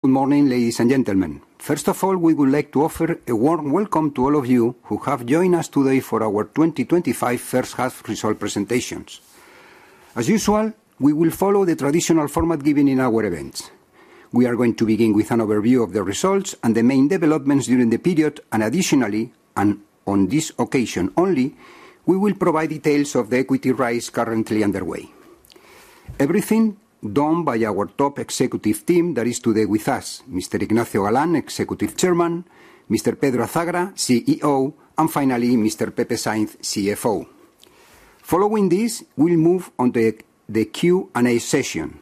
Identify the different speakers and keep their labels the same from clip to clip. Speaker 1: Good morning, ladies and gentlemen. First of all, we would like to offer a warm welcome to all of you who have joined us today for our 2025 first half results presentations. As usual, we will follow the traditional format given in our events. We are going to begin with an overview of the results and the main developments during the period, and additionally, and on this occasion only, we will provide details of the equity rise currently underway. Everything done by our top executive team that is today with us: Mr. Ignacio Galán, Executive Chairman; Mr. Pedro Azagra, CEO; and finally, Mr. Pepe Sainz, CFO. Following this, we'll move on to the Q&A session.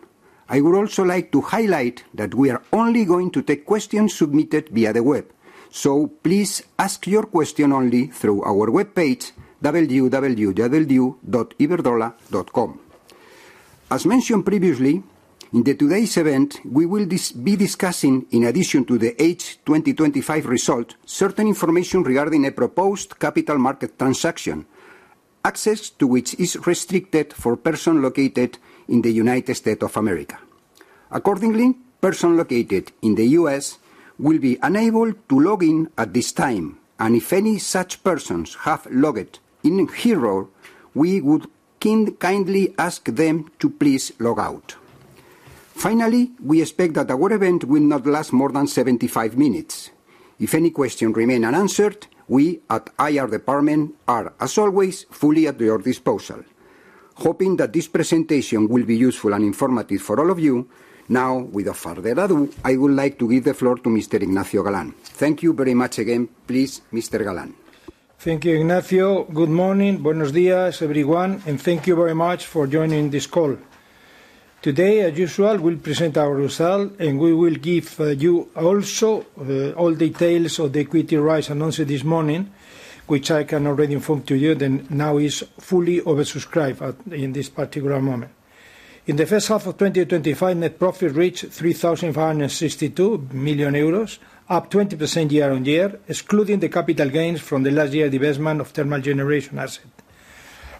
Speaker 1: I would also like to highlight that we are only going to take questions submitted via the web, so please ask your question only through our webpage, www.iberdrola.com. As mentioned previously, in today's event, we will be discussing, in addition to the H2025 result, certain information regarding a proposed capital market transaction. Access to which is restricted for persons located in the United States of America. Accordingly, persons located in the U.S. will be unable to log in at this time, and if any such persons have logged in here, we would kindly ask them to please log out. Finally, we expect that our event will not last more than 75 minutes. If any questions remain unanswered, we at IR Department are, as always, fully at your disposal. Hoping that this presentation will be useful and informative for all of you, now, without further ado, I would like to give the floor to Mr. Ignacio Galán. Thank you very much again. Please, Mr. Galán.
Speaker 2: Thank you, Ignacio. Good morning, buenos días, everyone, and thank you very much for joining this call. Today, as usual, we'll present our result, and we will give you also all details of the equity rise announced this morning, which I can already inform to you that now is fully oversubscribed in this particular moment. In the first half of 2025, net profit reached 3,562 million euros, up 20% year-on-year, excluding the capital gains from the last year's investment of thermal generation assets.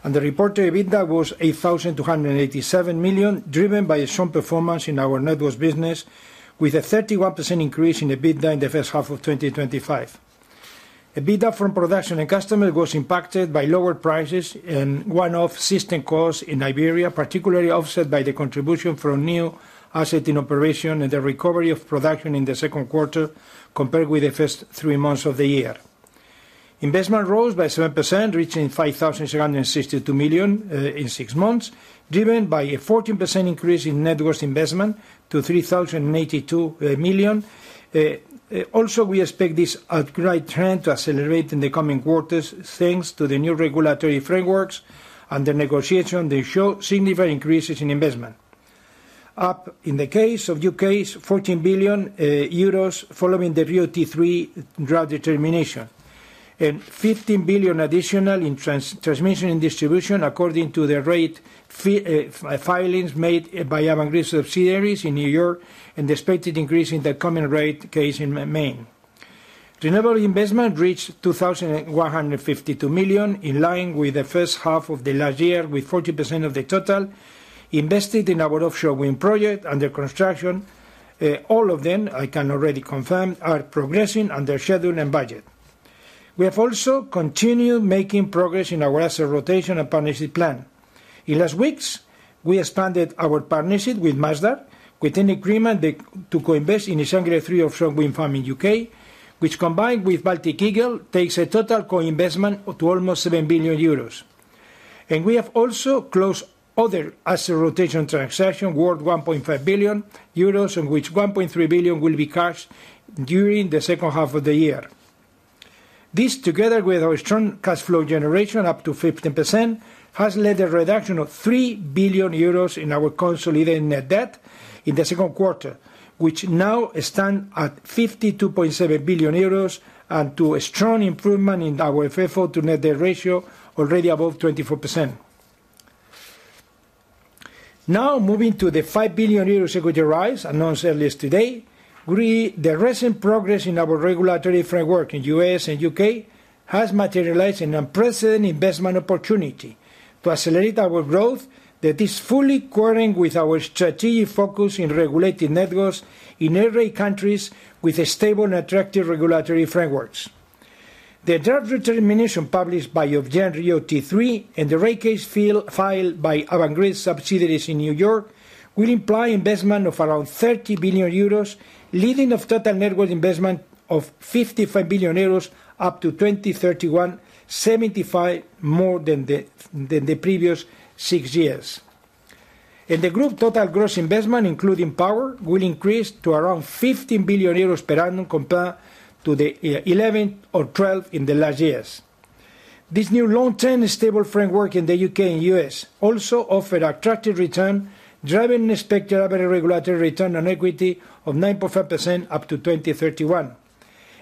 Speaker 2: And the reported EBITDA was 8,287 million, driven by strong performance in our network business, with a 31% increase in EBITDA in the first half of 2025. EBITDA from production and customers was impacted by lower prices and one-off system costs in Iberia, particularly offset by the contribution from new assets in operation and the recovery of production in the second quarter compared with the first three months of the year. Investment rose by 7%, reaching 5,762 million in six months, driven by a 14% increase in network investment to 3,082 million. Also, we expect this upgrade trend to accelerate in the coming quarters thanks to the new regulatory frameworks and the negotiation that showed significant increases in investment. Up, in the case of the U.K., 14 billion euros, following the RIIO-T3 draft determination, and 15 billion additional in transmission and distribution according to the rate filings made by Avangrid subsidiaries in New York and the expected increase in the common rate case in Maine. Renewable investment reached 2,152 million, in line with the first half of the last year, with 40% of the total invested in our offshore wind project and the construction. All of them, I can already confirm, are progressing under schedule and budget. We have also continued making progress in our asset rotation and partnership plan. In last weeks, we expanded our partnership with Masdar, with an agreement to co-invest in a single tree of strong wind farm in the U.K., which, combined with Baltic Eagle, takes a total co-investment to almost 7 billion euros. And we have also closed other asset rotation transactions, worth 1.5 billion euros, from which 1.3 billion will be cashed during the second half of the year. This, together with our strong cash flow generation up to 15%, has led to a reduction of 3 billion euros in our consolidated net debt in the second quarter, which now stands at 52.7 billion euros and to a strong improvement in our FFO to net debt ratio, already above 24%. Now, moving to the 5 billion euros equity rise announced earlier today, the recent progress in our regulatory framework in the U.S. and U.K. has materialized an unprecedented investment opportunity to accelerate our growth that is fully coherent with our strategic focus in regulating network in every country with stable and attractive regulatory frameworks. The draft determination published by the European Commission RIIO-T3 and the rate case filed by Avangrid subsidiaries in New York will imply investment of around 30 billion euros, leading to a total networks investment of 55 billion euros up to 2031, 75% more than the previous six years. The group total gross investment, including power, will increase to around 15 billion euros per annum compared to the 11 or 12 in the last years. This new long-term stable framework in the U.K. and U.S. also offers an attractive return, driving expected average regulatory return on equity of 9.5% up to 2031.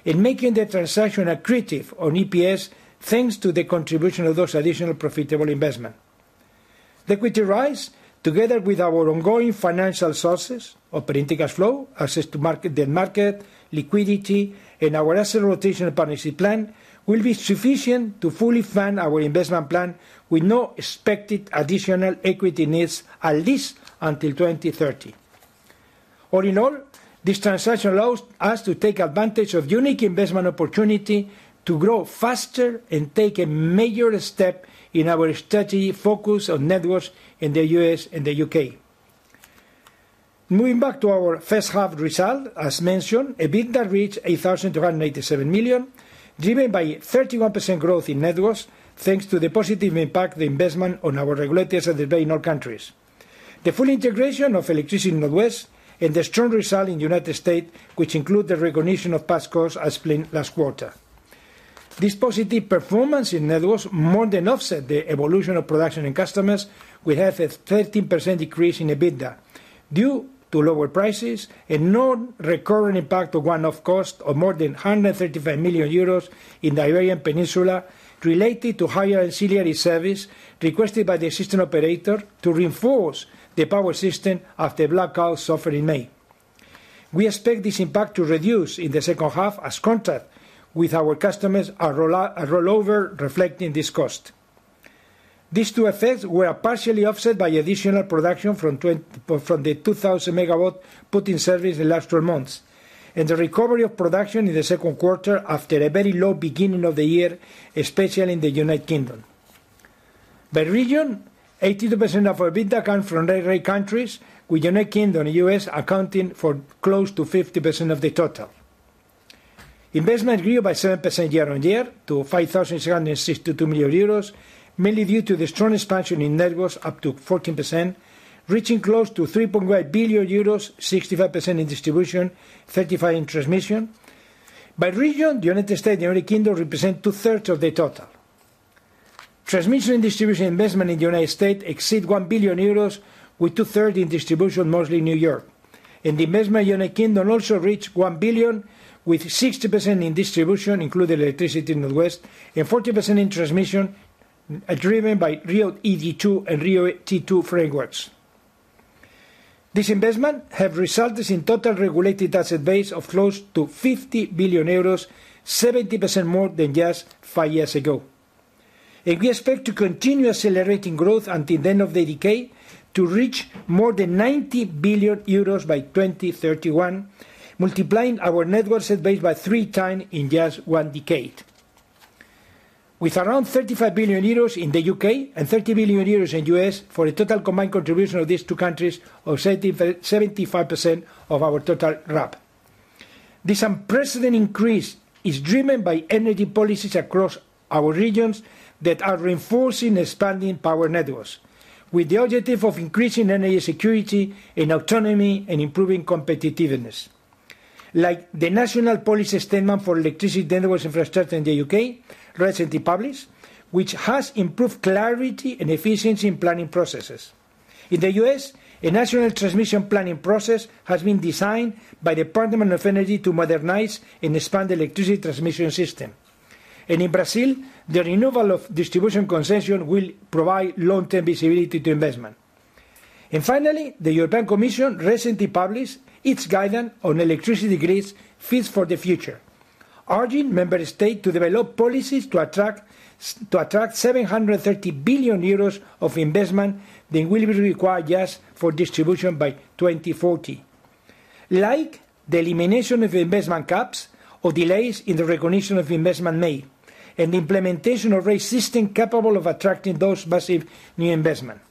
Speaker 2: This makes the transaction accretive on EPS, thanks to the contribution of those additional profitable investments. The equity rise, together with our ongoing financial sources, operating cash flow, access to market, liquidity, and our asset rotation and partnership plan, will be sufficient to fully fund our investment plan with no expected additional equity needs, at least until 2030. All in all, this transaction allows us to take advantage of a unique investment opportunity to grow faster and take a major step in our strategic focus on networks in the U.S. and the U.K. Moving back to our first half result, as mentioned, EBITDA reached 8,287 million, driven by 31% growth in networks, thanks to the positive impact of the investment on our regulators and the developing countries. The full integration of electricity in the Northwest and the strong result in the United States, which includes the recognition of past costs, as explained last quarter. This positive performance in networks more than offsets the evolution of production and customers, with a 13% decrease in EBITDA due to lower prices and non-recurring impact of one-off costs of more than 135 million euros in the Iberian Peninsula, related to higher auxiliary service requested by the system operator to reinforce the power system after blackouts suffered in May. We expect this impact to reduce in the second half, as contracts with our customers are rolled over, reflecting this cost. These two effects were partially offset by additional production from the 2,000 MW put in service in the last 12 months and the recovery of production in the second quarter after a very low beginning of the year, especially in the United Kingdom. By region, 82% of our EBITDA comes from rate-regulated countries, with the United Kingdom and U.S. accounting for close to 50% of the total. Investment grew by 7% year-on-year to 5,762 million euros, mainly due to the strong expansion in networks up to 14%, reaching close to 3.5 billion euros, 65% in distribution, 35% in transmission. By region, the United States and the United Kingdom represent two-thirds of the total. Transmission and distribution investment in the United States exceeds 1 billion euros, with two-thirds in distribution, mostly in New York. The investment in the United Kingdom also reached 1 billion, with 60% in distribution, including electricity in the Northwest, and 40% in transmission, driven by RIIO-ED2 and RIIO-T2 frameworks. These investments have resulted in total regulated asset base of close to 50 billion euros, 70% more than just five years ago. We expect to continue accelerating growth until the end of the decade to reach more than 90 billion euros by 2031, multiplying our net worth base by three times in just one decade. With around 35 billion euros in the U.K. and 30 million euros in the U.S. for the total combined contribution of these two countries, of 75% of our total RAB. This unprecedented increase is driven by energy policies across our regions that are reinforcing expanding power networks, with the objective of increasing energy security and autonomy and improving competitiveness. Like the national policy statement for electricity networks infrastructure in the U.K., recently published, which has improved clarity and efficiency in planning processes. In the U.S., a national transmission planning process has been designed by the Department of Energy to modernize and expand the electricity transmission system. In Brazil, the renewal of distribution concession will provide long-term visibility to investment. Finally, the European Commission recently published its guidance on electricity grids fits for the future, urging member states to develop policies to attract 730 billion euros of investment that will be required just for distribution by 2040. Like the elimination of investment caps or delays in the recognition of investment made, and the implementation of rate systems capable of attracting those massive new investments.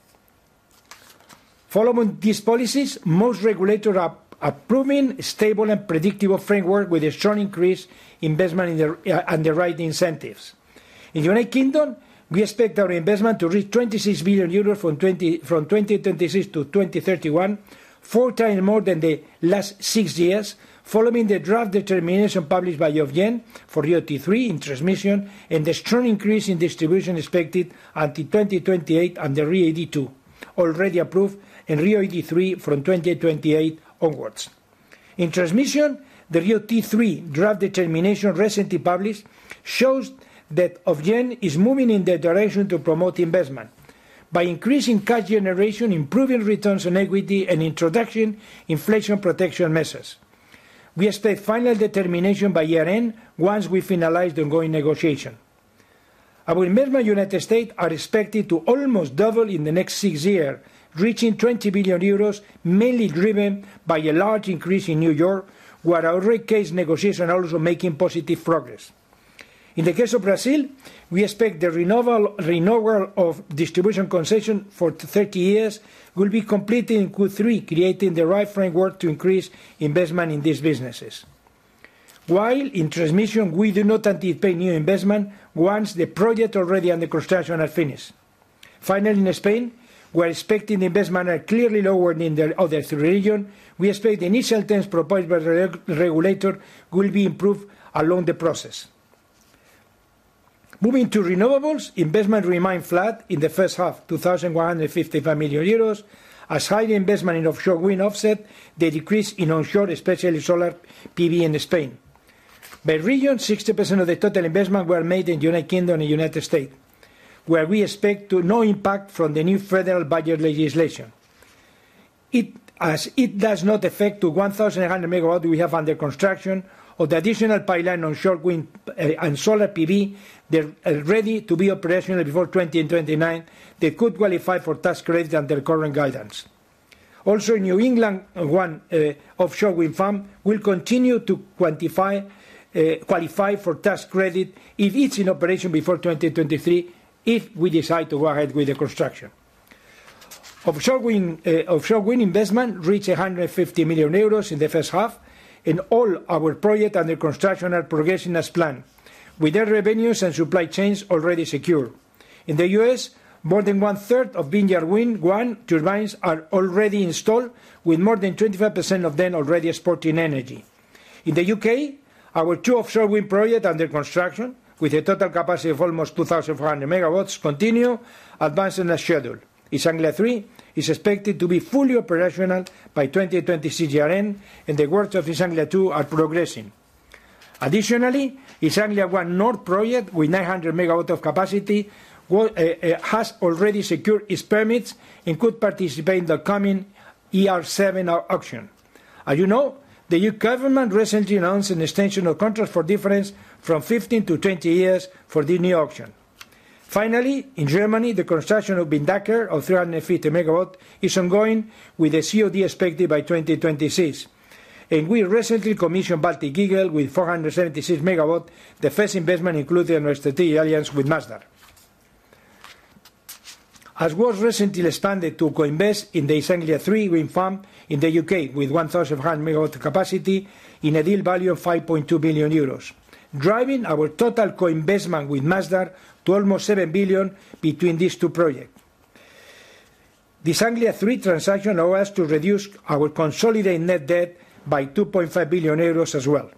Speaker 2: Following these policies, most regulators are proving a stable and predictable framework with a strong increase in investment and the right incentives. In the United Kingdom, we expect our investment to reach 26 billion euros from 2026 to 2031, four times more than the last six years, following the draft determination published by the European for RIIO-T3 in transmission and the strong increase in distribution expected until 2028 under RIIO-ED2, already approved in RIIO-ED3 from 2028 onwards. In transmission, the RIIO-T3 draft determination recently published shows that the European is moving in the direction to promote investment by increasing cash generation, improving returns on equity, and introducing inflation protection measures. We expect final determination by year-end once we finalize the ongoing negotiation. Our investment in the United States are expected to almost double in the next six years, reaching 20 billion euros, mainly driven by a large increase in New York, where our rate case negotiation also making positive progress. In the case of Brazil, we expect the renewal of distribution concession for 30 years will be completed in Q3, creating the right framework to increase investment in these businesses. While in transmission, we do not anticipate new investment once the project already under construction has finished. Finally, in Spain, where expected investment has clearly lowered in the other three regions, we expect the initial terms proposed by the regulator will be improved along the process. Moving to renewables, investment remained flat in the first half, 2,155 million euros, as higher investment in offshore wind offset the decrease in onshore, especially solar PV in Spain. By region, 60% of the total investment were made in the U.K. and the U.S., where we expect no impact from the new federal budget legislation, as it does not affect the 1,100 MW we have under construction or the additional pipeline onshore wind and solar PV that are ready to be operational before 2029 that could qualify for tax credit under the current guidance. Also, New England ONE offshore wind farm will continue to qualify for tax credit if it is in operation before 2023, if we decide to go ahead with the construction. Offshore wind investment reached 150 million euros in the first half, and all our projects under construction are progressing as planned, with their revenues and supply chains already secure. In the U.S., more than one-third of wind turbines are already installed, with more than 25% of them already sporting energy. In the U.K., our two offshore wind projects under construction, with a total capacity of almost 2,400 MW, continue advancing as scheduled. East Anglia Three is expected to be fully operational by 2026 year-end, and the works of East Anglia Two are progressing. Additionally, East Anglia One North project, with 900 MW of capacity, has already secured its permits and could participate in the coming ER7 auction. As you know, the U.K. government recently announced an extension of Contracts for Difference from 15-20 years for this new auction. Finally, in Germany, the construction of Windanker, of 350 MW, is ongoing, with a COD expected by 2026. We recently commissioned Baltic Eagle, with 476 MW, the first investment included in our strategic alliance with Masdar, as was recently expanded to co-invest in the East Anglia Three wind farm in the U.K., with 1,500 MW of capacity in a deal value of 5.2 billion euros, driving our total co-investment with Masdar to almost 7 billion between these two projects. The East Anglia Three transaction allows us to reduce our consolidated net debt by 2.5 billion euros as well.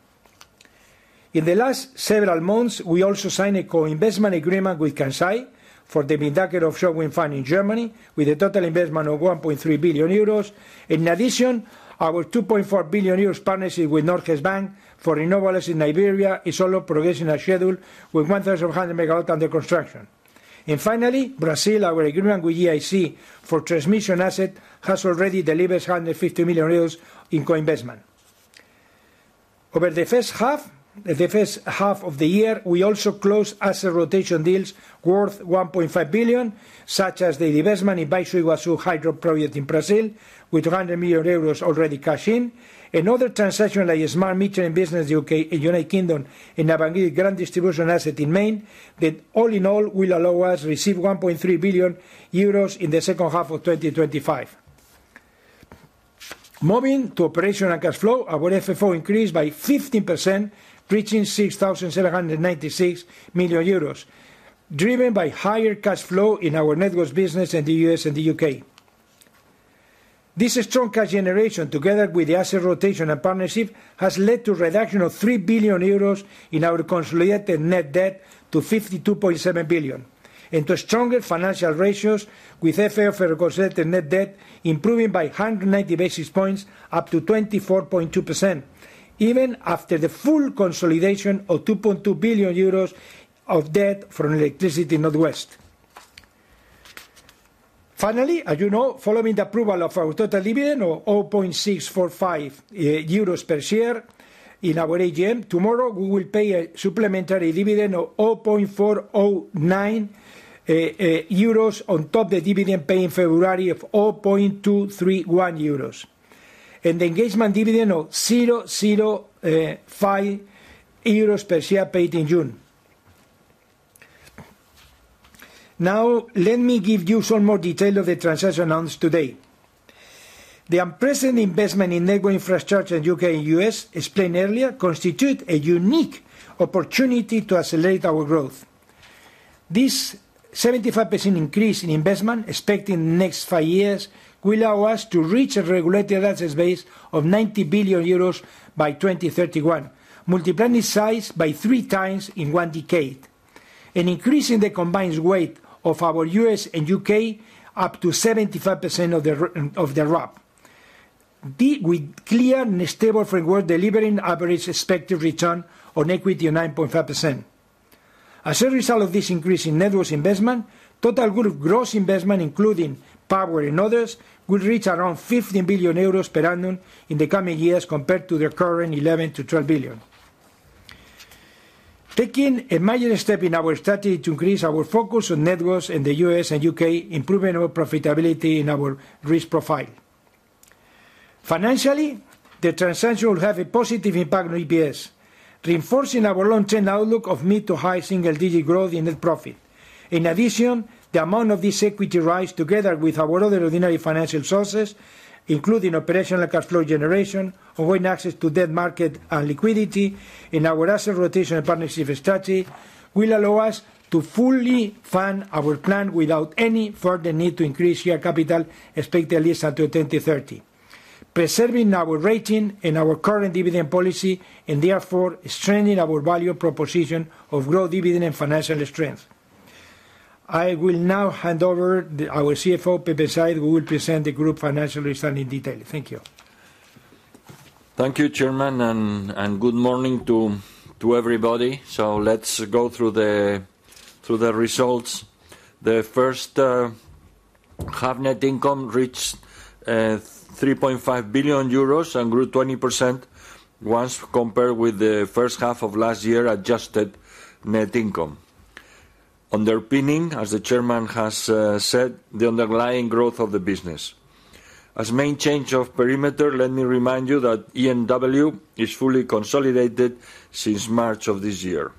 Speaker 2: In the last several months, we also signed a co-investment agreement with Kansai Electric Power Company for the Windanker offshore wind farm in Germany, with a total investment of 1.3 billion euros. In addition, our 2.4 billion euros partnership with Northwest Bank for renewables in Brazil is also progressing as scheduled, with 1,500 MW under construction. Finally, in Brazil, our agreement with EIC for transmission assets has already delivered 150 million euros in co-investment. Over the first half of the year, we also closed asset rotation deals worth 1.5 billion, such as the investment in Baixo Iguaçu Hydroelectric Project in Brazil, with 200 million euros already cashed in, and other transactions like Smart Metering Business in the U.K. and Armaguir Grand Distribution Asset in Maine, that all in all will allow us to receive 1.3 billion euros in the second half of 2025. Moving to operational cash flow, our FFO increased by 15%, reaching 6,796 million euros, driven by higher cash flow in our network business in the U.S. and the U.K. This strong cash generation, together with the asset rotation and partnership, has led to a reduction of 3 billion euros in our consolidated net debt to 52.7 billion, and to stronger financial ratios, with FFO for consolidated net debt improving by 190 basis points, up to 24.2%, even after the full consolidation of 2.2 billion euros of debt from electricity in the Northwest. Finally, as you know, following the approval of our total dividend of 0.645 euros per share in our AGM, tomorrow we will pay a supplementary dividend of 0.409 euros. On top of the dividend paid in February of 0.231 euros. And the engagement dividend of 0.05 euros per share paid in June. Now, let me give you some more detail of the transaction announced today. The unprecedented investment in network infrastructure in the U.K. and U.S., explained earlier, constitutes a unique opportunity to accelerate our growth. This 75% increase in investment, expected in the next five years, will allow us to reach a regulated asset base of 90 billion euros by 2031, multiplying its size by three times in one decade, and increasing the combined weight of our U.S. and U.K. up to 75% of the RAB. With clear and stable framework, delivering average expected return on equity of 9.5%. As a result of this increase in network investment, total gross investment, including power and others, will reach around 15 billion euros per annum in the coming years compared to the current 11-12 billion. Taking a major step in our strategy to increase our focus on network in the U.S. and U.K., improving our profitability in our risk profile. Financially, the transaction will have a positive impact on EPS, reinforcing our long-term outlook of mid to high single-digit growth in net profit. In addition, the amount of this equity rise, together with our other ordinary financial sources, including operational cash flow generation, avoiding access to debt market and liquidity in our asset rotation and partnership strategy, will allow us to fully fund our plan without any further need to increase share capital, expected at least until 2030, preserving our rating and our current dividend policy, and therefore strengthening our value proposition of growth, dividend, and financial strength. I will now hand over to our CFO, Pepe Sainz, who will present the group financial results in detail.
Speaker 3: Thank you. Thank you, Chairman, and good morning to everybody. Let's go through the results. The first half-net income reached 3.5 billion euros and grew 20% once compared with the first half of last year's adjusted net income. Underpinning, as the Chairman has said, the underlying growth of the business. As main change of perimeter, let me remind you that E&W is fully consolidated since March of this year.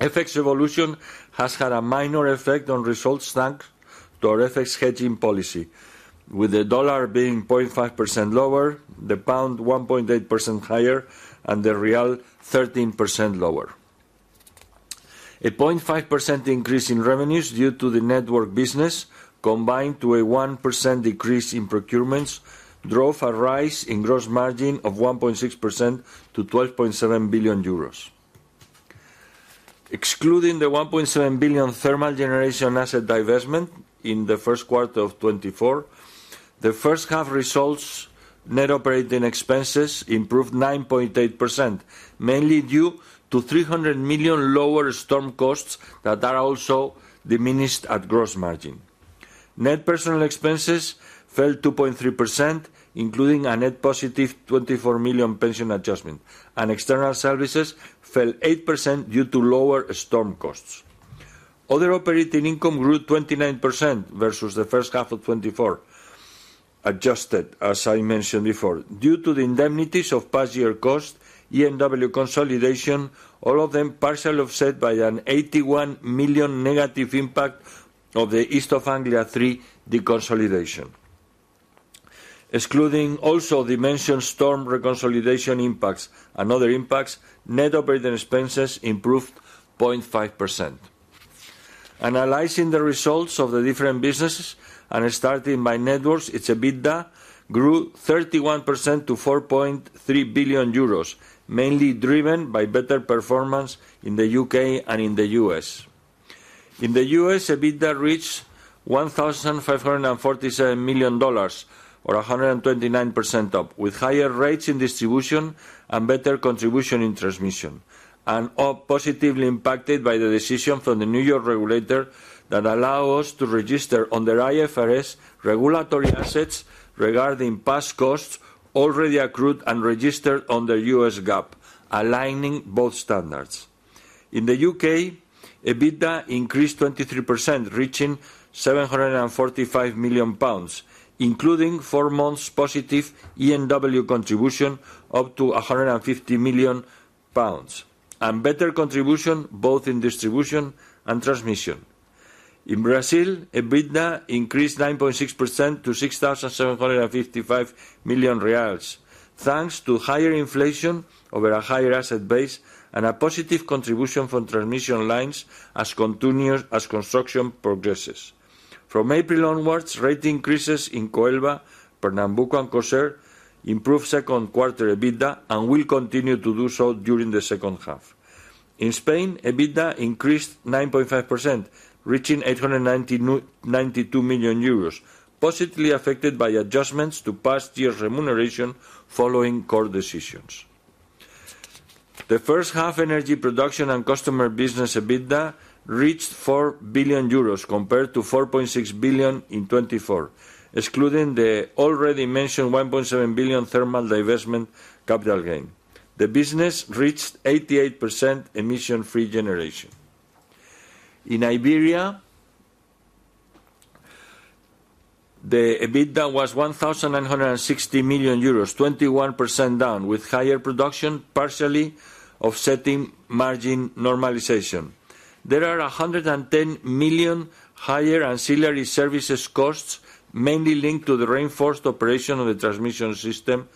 Speaker 3: FX evolution has had a minor effect on results thanks to our FX hedging policy, with the dollar being 0.5% lower, the pound 1.8% higher, and the real 13% lower. A 0.5% increase in revenues due to the network business, combined with a 1% decrease in procurements, drove a rise in gross margin of 1.6% to 12.7 billion euros. Excluding the 1.7 billion thermal generation asset divestment in the first quarter of 2024, the first half results net operating expenses improved 9.8%, mainly due to 300 million lower storm costs that are also diminished at gross margin. Net personnel expenses fell 2.3%, including a net positive 24 million pension adjustment, and external services fell 8% due to lower storm costs. Other operating income grew 29% versus the first half of 2024. Adjusted, as I mentioned before, due to the indemnities of past year costs, E&W consolidation, all of them partially offset by an 81 million negative impact of the East Anglia Three deconsolidation. Excluding also the mentioned storm reconciliation impacts and other impacts, net operating expenses improved 0.5%. Analyzing the results of the different businesses and starting by networks, EBITDA grew 31% to 4.3 billion euros, mainly driven by better performance in the U.K. and in the U.S. In the U.S., EBITDA reached $1,547 million, or 129% up, with higher rates in distribution and better contribution in transmission, and positively impacted by the decision from the New York regulator that allowed us to register under IFRS regulatory assets regarding past costs already accrued and registered under U.S. GAAP, aligning both standards. In the U.K., EBITDA increased 23%, reaching 745 million pounds, including four months positive E&W contribution up to 150 million pounds, and better contribution both in distribution and transmission. In Brazil, EBITDA increased 9.6% to BR 6,755 million, thanks to higher inflation over a higher asset base and a positive contribution from transmission lines as construction progresses. From April onwards, rate increases in Coelba, Pernambuco, and Cosern improved second quarter EBITDA and will continue to do so during the second half. In Spain, EBITDA increased 9.5%, reaching 892 million euros, positively affected by adjustments to past year's remuneration following core decisions. The first half energy production and customer business EBITDA reached 4 billion euros, compared to 4.6 billion in 2024, excluding the already mentioned 1.7 billion thermal divestment capital gain. The business reached 88% emission-free generation. In Iberia, the EBITDA was 1,960 million euros, 21% down, with higher production partially offsetting margin normalization. There are 110 million higher ancillary services costs, mainly linked to the reinforced operation of the transmission system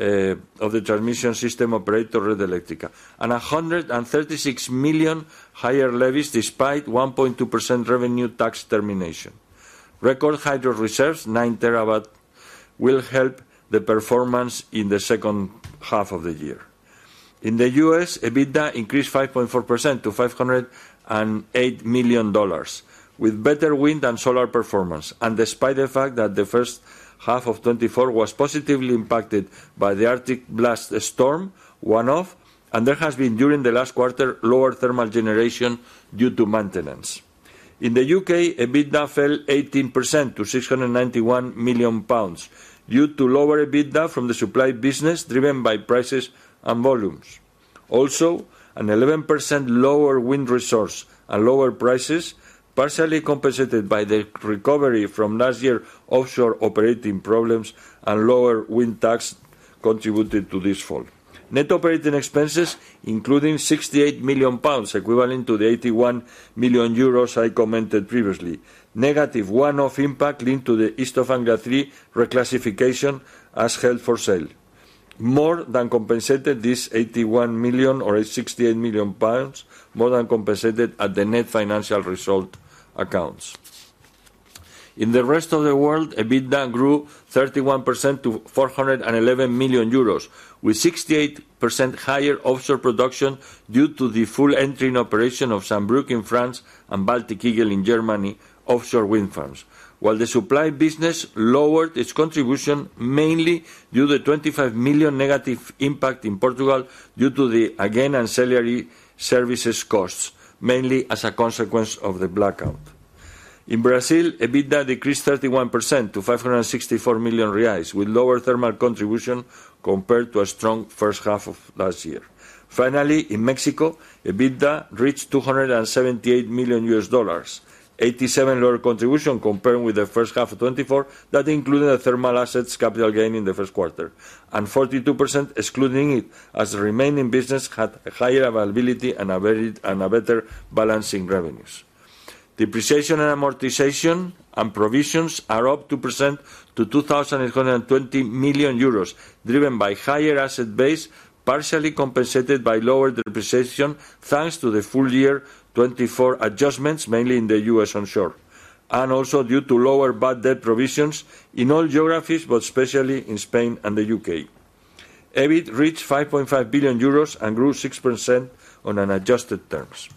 Speaker 3: of the transmission system operator Red Eléctrica, and 136 million higher levies despite 1.2% revenue tax termination. Record hydro reserves, 9 terawatt hours, will help the performance in the second half of the year. In the U.S., EBITDA increased 5.4% to $508 million, with better wind and solar performance, and despite the fact that the first half of 2024 was positively impacted by the Arctic blast storm, one-off, and there has been during the last quarter lower thermal generation due to maintenance. In the U.K., EBITDA fell 18% to 691 million pounds, due to lower EBITDA from the supply business driven by prices and volumes. Also, an 11% lower wind resource and lower prices, partially compensated by the recovery from last year's offshore operating problems and lower wind tax contributed to this fall. Net operating expenses, including 68 million pounds, equivalent to 81 million euros I commented previously, negative one-off impact linked to the East Anglia Three reclassification as held for sale, more than compensated this 81 million or 68 million pounds, more than compensated at the net financial result accounts. In the rest of the world, EBITDA grew 31% to 411 million euros, with 68% higher offshore production due to the full entry in operation of Sunbrook in France and Baltic Eagle in Germany offshore wind farms, while the supply business lowered its contribution mainly due to the 25 million negative impact in Portugal due to the again ancillary services costs, mainly as a consequence of the blackout. In Brazil, EBITDA decreased 31% to 564 million reais, with lower thermal contribution compared to a strong first half of last year. Finally, in Mexico, EBITDA reached $278 million, 87% lower contribution compared with the first half of 2024 that included the thermal assets capital gain in the first quarter, and 42% excluding it, as the remaining business had a higher availability and a better balance in revenues. Depreciation and amortization and provisions are up 2% to 2,820 million euros, driven by higher asset base, partially compensated by lower depreciation thanks to the full year 2024 adjustments, mainly in the U.S. onshore, and also due to lower bad debt provisions in all geographies, but especially in Spain and the U.K. EBIT reached 5.5 billion euros and grew 6% on unadjusted terms.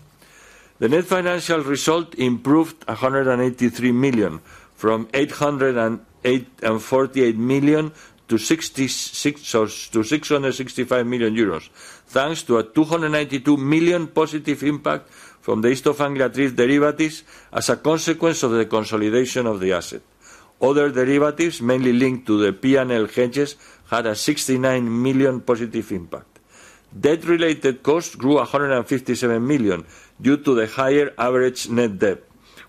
Speaker 3: The net financial result improved 183 million, from 848 million to 665 million euros, thanks to a 292 million positive impact from the East Anglia Three derivatives as a consequence of the consolidation of the asset. Other derivatives, mainly linked to the P&L hedges, had a 69 million positive impact. Debt-related costs grew 157 million due to the higher average net debt,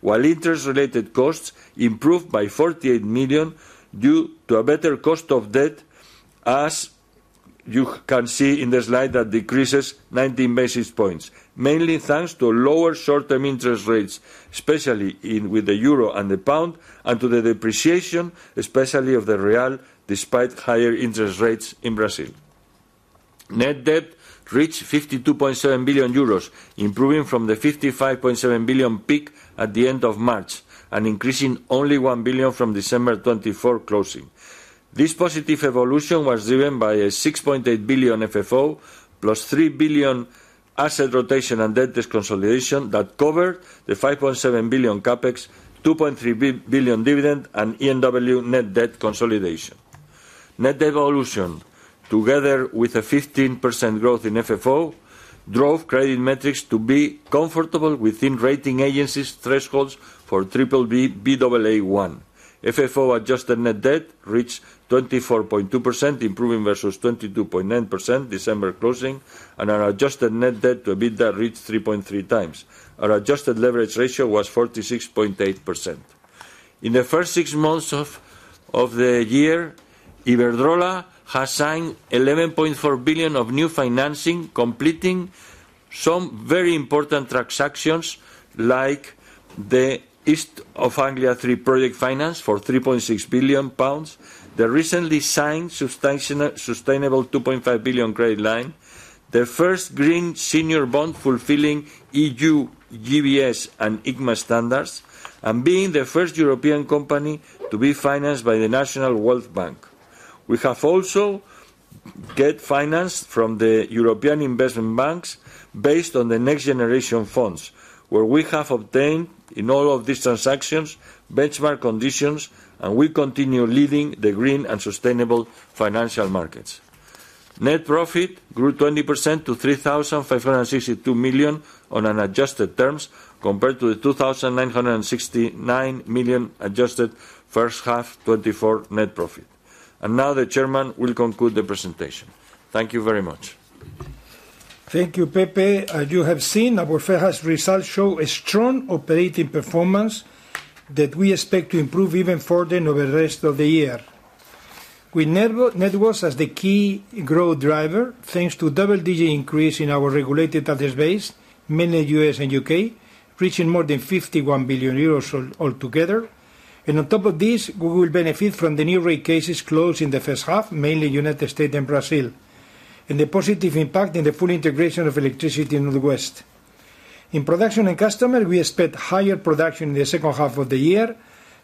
Speaker 3: while interest-related costs improved by 48 million due to a better cost of debt, as you can see in the slide that decreases 19 basis points, mainly thanks to lower short-term interest rates, especially with the euro and the pound, and to the depreciation, especially of the real, despite higher interest rates in Brazil. Net debt reached 52.7 billion euros, improving from the 55.7 billion peak at the end of March and increasing only 1 billion from December 2024 closing. This positive evolution was driven by a 6.8 billion FFO, plus 3 billion asset rotation and debt disconsolidation that covered the 5.7 billion CapEx, 2.3 billion dividend, and E&W net debt consolidation. Net evolution, together with a 15% growth in FFO, drove credit metrics to be comfortable within rating agencies' thresholds for BBB/Aa1. FFO adjusted net debt reached 24.2%, improving versus 22.9% December closing, and our adjusted net debt to EBITDA reached 3.3 times. Our adjusted leverage ratio was 46.8%. In the first six months of the year, Iberdrola has signed 11.4 billion of new financing, completing some very important transactions like the East Anglia Three project finance for 3.6 billion pounds, the recently signed sustainable 2.5 billion credit line, the first green senior bond fulfilling EU GBS and ICMA standards, and being the first European company to be financed by the National Wealth Bank. We have also got financed from the European investment banks based on the next generation funds, where we have obtained in all of these transactions benchmark conditions, and we continue leading the green and sustainable financial markets. Net profit grew 20% to 3,562 million on unadjusted terms compared to the 2,969 million adjusted first half 2024 net profit. And now the Chairman will conclude the presentation. Thank you very much.
Speaker 2: Thank you, Pepe. As you have seen, our fair result shows a strong operating performance that we expect to improve even further over the rest of the year. With networks as the key growth driver, thanks to double-digit increase in our regulated asset base, mainly U.S. and U.K., reaching more than 51 billion euros altogether. On top of this, we will benefit from the new rate cases closed in the first half, mainly United States and Brazil, and the positive impact in the full integration of electricity in the West. In production and customer, we expect higher production in the second half of the year,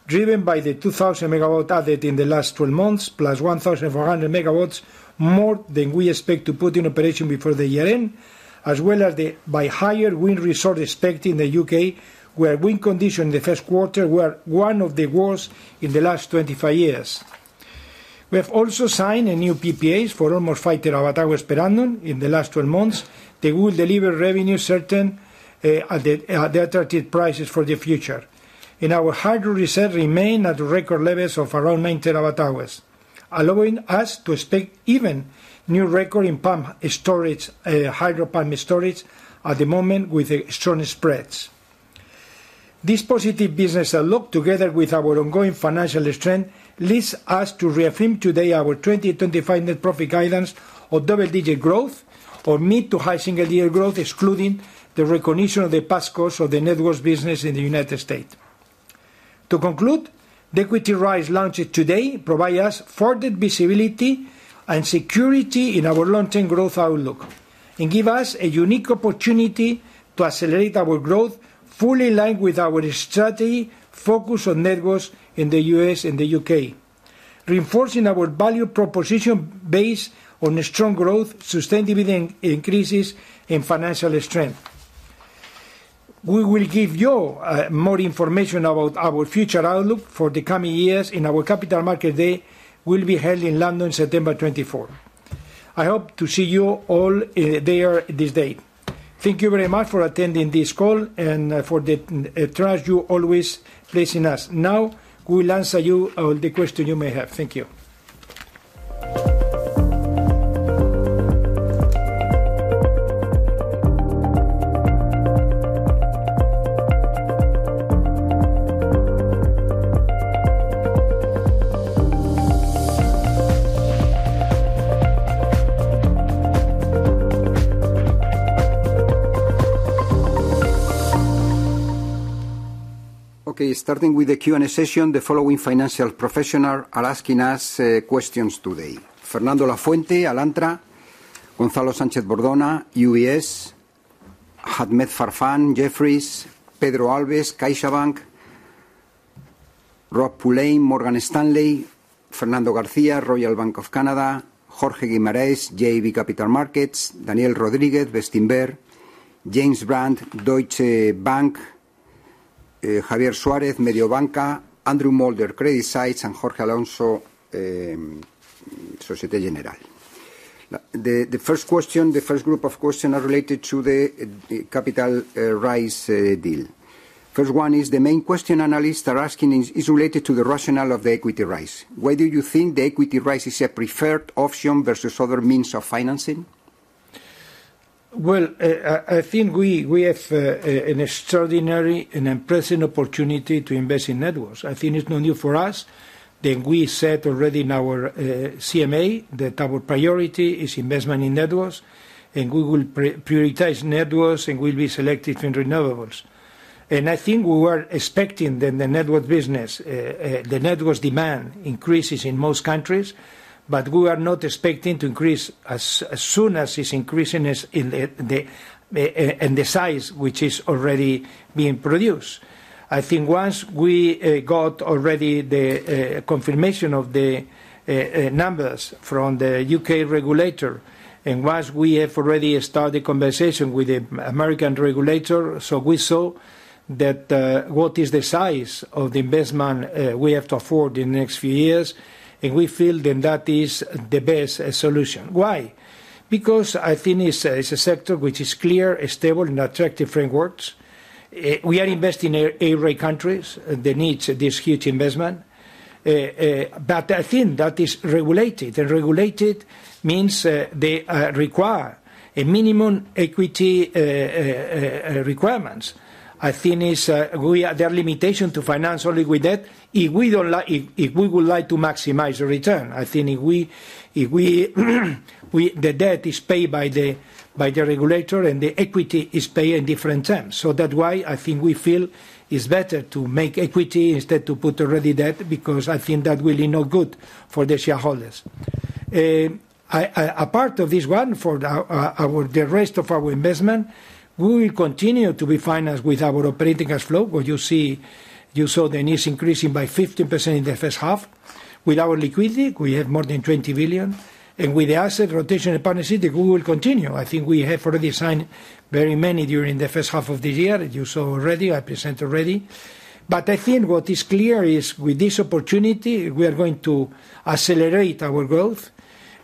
Speaker 2: driven by the 2,000 MW added in the last 12 months, plus 1,400 MW more that we expect to put in operation before the year-end, as well as the higher wind resource expected in the U.K., where wind conditions in the first quarter were one of the worst in the last 25 years. We have also signed a new PPA for almost 5 TWh per annum in the last 12 months that will deliver revenue certain at the attractive prices for the future. Our hydro reserves remain at record levels of around 9 TWh, allowing us to expect even new record in pump storage, hydropower storage, at the moment with strong spreads. This positive business outlook, together with our ongoing financial strength, leads us to reaffirm today our 2025 net profit guidance of double-digit growth or mid to high single-digit growth, excluding the recognition of the past costs of the networks business in the United States. To conclude, the equity rise launched today provides us further visibility and security in our long-term growth outlook and gives us a unique opportunity to accelerate our growth fully aligned with our strategy focused on networks in the U.S. and the U.K., reinforcing our value proposition based on strong growth, sustained dividend increases, and financial strength. We will give you more information about our future outlook for the coming years in our Capital Market Day, which will be held in London on September 24. I hope to see you all there this day. Thank you very much for attending this call and for the trust you always place in us. Now, we will answer all the questions you may have. Thank you.
Speaker 1: Okay, starting with the Q&A session, the following financial professionals are asking us questions today: Fernando Lafuente, Alantra; Gonzalo Sánchez Bordona, UBS; Ahmed Farfan, Jefferies; Pedro Alves, CaixaBank; Rob Pullain, Morgan Stanley; Fernando García, Royal Bank of Canada; Jorge Guimarães, JB Capital Markets; Daniel Rodríguez, Bestinberg; James Brand, Deutsche Bank; Javier Suárez, Mediobanca; Andrew Mulder, Credit Suisse; and Jorge Alonso, Société Générale. The first question, the first group of questions are related to the capital rise deal. First one is the main question analysts are asking is related to the rationale of the equity rise. Why do you think the equity rise is a preferred option versus other means of financing?
Speaker 2: I think we have an extraordinary and impressive opportunity to invest in networks. I think it's no news for us that we said already in our CMA that our priority is investment in networks, and we will prioritize networks and will be selected from renewables. I think we were expecting that the network business, the network demand increases in most countries, but we are not expecting to increase as soon as it's increasing in the size, which is already being produced. I think once we got already the confirmation of the numbers from the U.K. regulator and once we have already started conversation with the American regulator, we saw what is the size of the investment we have to afford in the next few years, and we feel that that is the best solution. Why? I think it's a sector which is clear, stable, and attractive frameworks. We are investing in Arab countries that need this huge investment. I think that is regulated, and regulated means they require a minimum equity requirements. I think there are limitations to finance only with debt if we would like to maximize the return. If the debt is paid by the regulator and the equity is paid in different terms. That's why I think we feel it's better to make equity instead of to put already debt, because I think that will be no good for the shareholders. Apart of this one, for the rest of our investment, we will continue to be financed with our operating cash flow, where you saw the needs increasing by 15% in the first half. With our liquidity, we have more than 20 billion, and with the asset rotation and partnership, we will continue. I think we have already signed very many during the first half of this year, as you saw already, I presented already. I think what is clear is with this opportunity, we are going to accelerate our growth.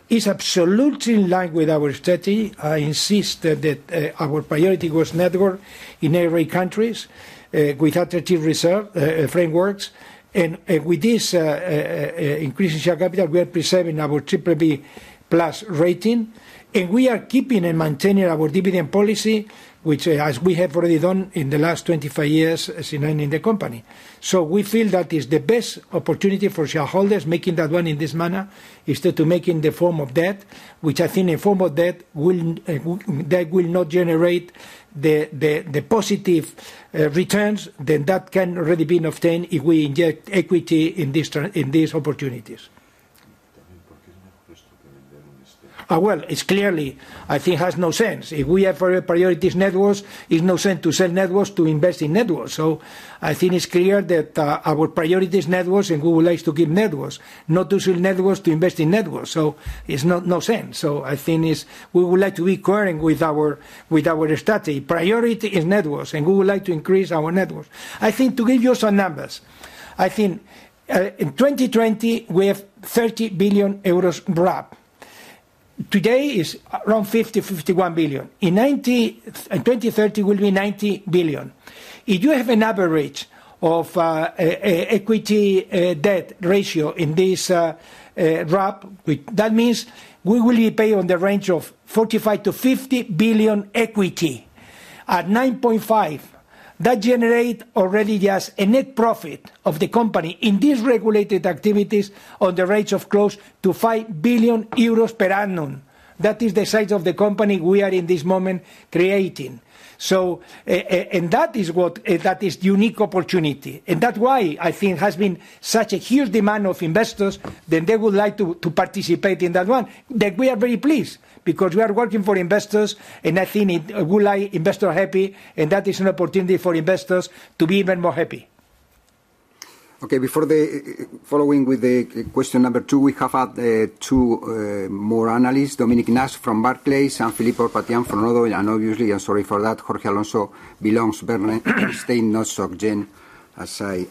Speaker 2: It's absolutely in line with our strategy. I insist that our priority was network in Arab countries with attractive reserve frameworks. With this increase in share capital, we are preserving our triple B plus rating, and we are keeping and maintaining our dividend policy, which, as we have already done in the last 25 years, as you know, in the company. We feel that is the best opportunity for shareholders. Making that one in this manner is to make it in the form of debt, which I think in the form of debt will not generate the positive returns that can already be obtained if we inject equity in these opportunities. It's clearly, I think, has no sense. If we have already prioritized networks, it's no sense to sell networks to invest in networks. I think it's clear that our priority is networks, and we would like to give networks, not to sell networks, to invest in networks. It's no sense. I think we would like to be coherent with our strategy. Priority is networks, and we would like to increase our networks. I think to give you some numbers, I think in 2020, we have 30 billion euros RAB. Today is around 50-51 billion. In 2030, we'll be 90 billion. If you have an average of equity debt ratio in this RAB, that means we will be paying on the range of 45-50 billion equity at 9.5. That generates already just a net profit of the company in these regulated activities on the rates of close to 5 billion euros per annum. That is the size of the company we are in this moment creating. That is a unique opportunity. That's why I think there has been such a huge demand of investors that they would like to participate in that one. We are very pleased because we are working for investors, and I think it will like investors happy, and that is an opportunity for investors to be even more happy.
Speaker 1: Okay, before the following with the question number two, we have had two more analysts: Dominic Nas from Barclays, and Filippo Arpaglian from Rodo. Obviously, I'm sorry for that, Jorge Alonso-Bilongs-Bernstein not Soggen, as I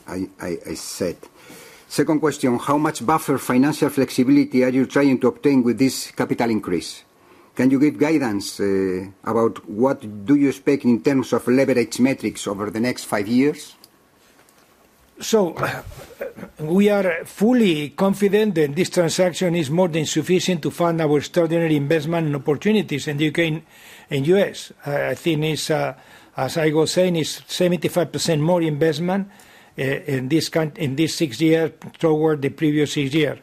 Speaker 1: said. Second question: how much buffer financial flexibility are you trying to obtain with this capital increase? Can you give guidance about what do you expect in terms of leverage metrics over the next five years?
Speaker 2: We are fully confident that this transaction is more than sufficient to fund our extraordinary investment and opportunities in the U.K. and U.S. I think, as I was saying, it is 75% more investment in these six years toward the previous six years.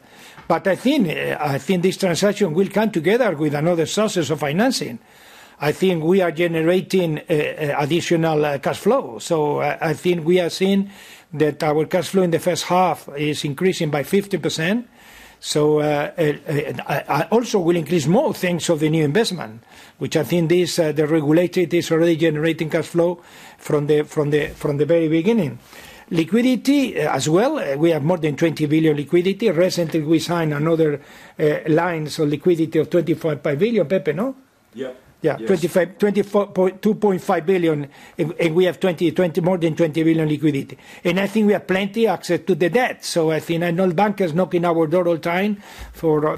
Speaker 2: I think this transaction will come together with another source of financing. I think we are generating additional cash flow. I think we are seeing that our cash flow in the first half is increasing by 50%. It also will increase more thanks to the new investment, which I think the regulator is already generating cash flow from the very beginning. Liquidity as well, we have more than 20 billion liquidity. Recently, we signed another line of liquidity of 2.5 billion, Pepe, no?
Speaker 3: Yeah.
Speaker 2: Yeah, EUR 2.5 billion, and we have more than 20 billion liquidity. I think we have plenty of access to the debt. I know the bankers knocking on our door all the time for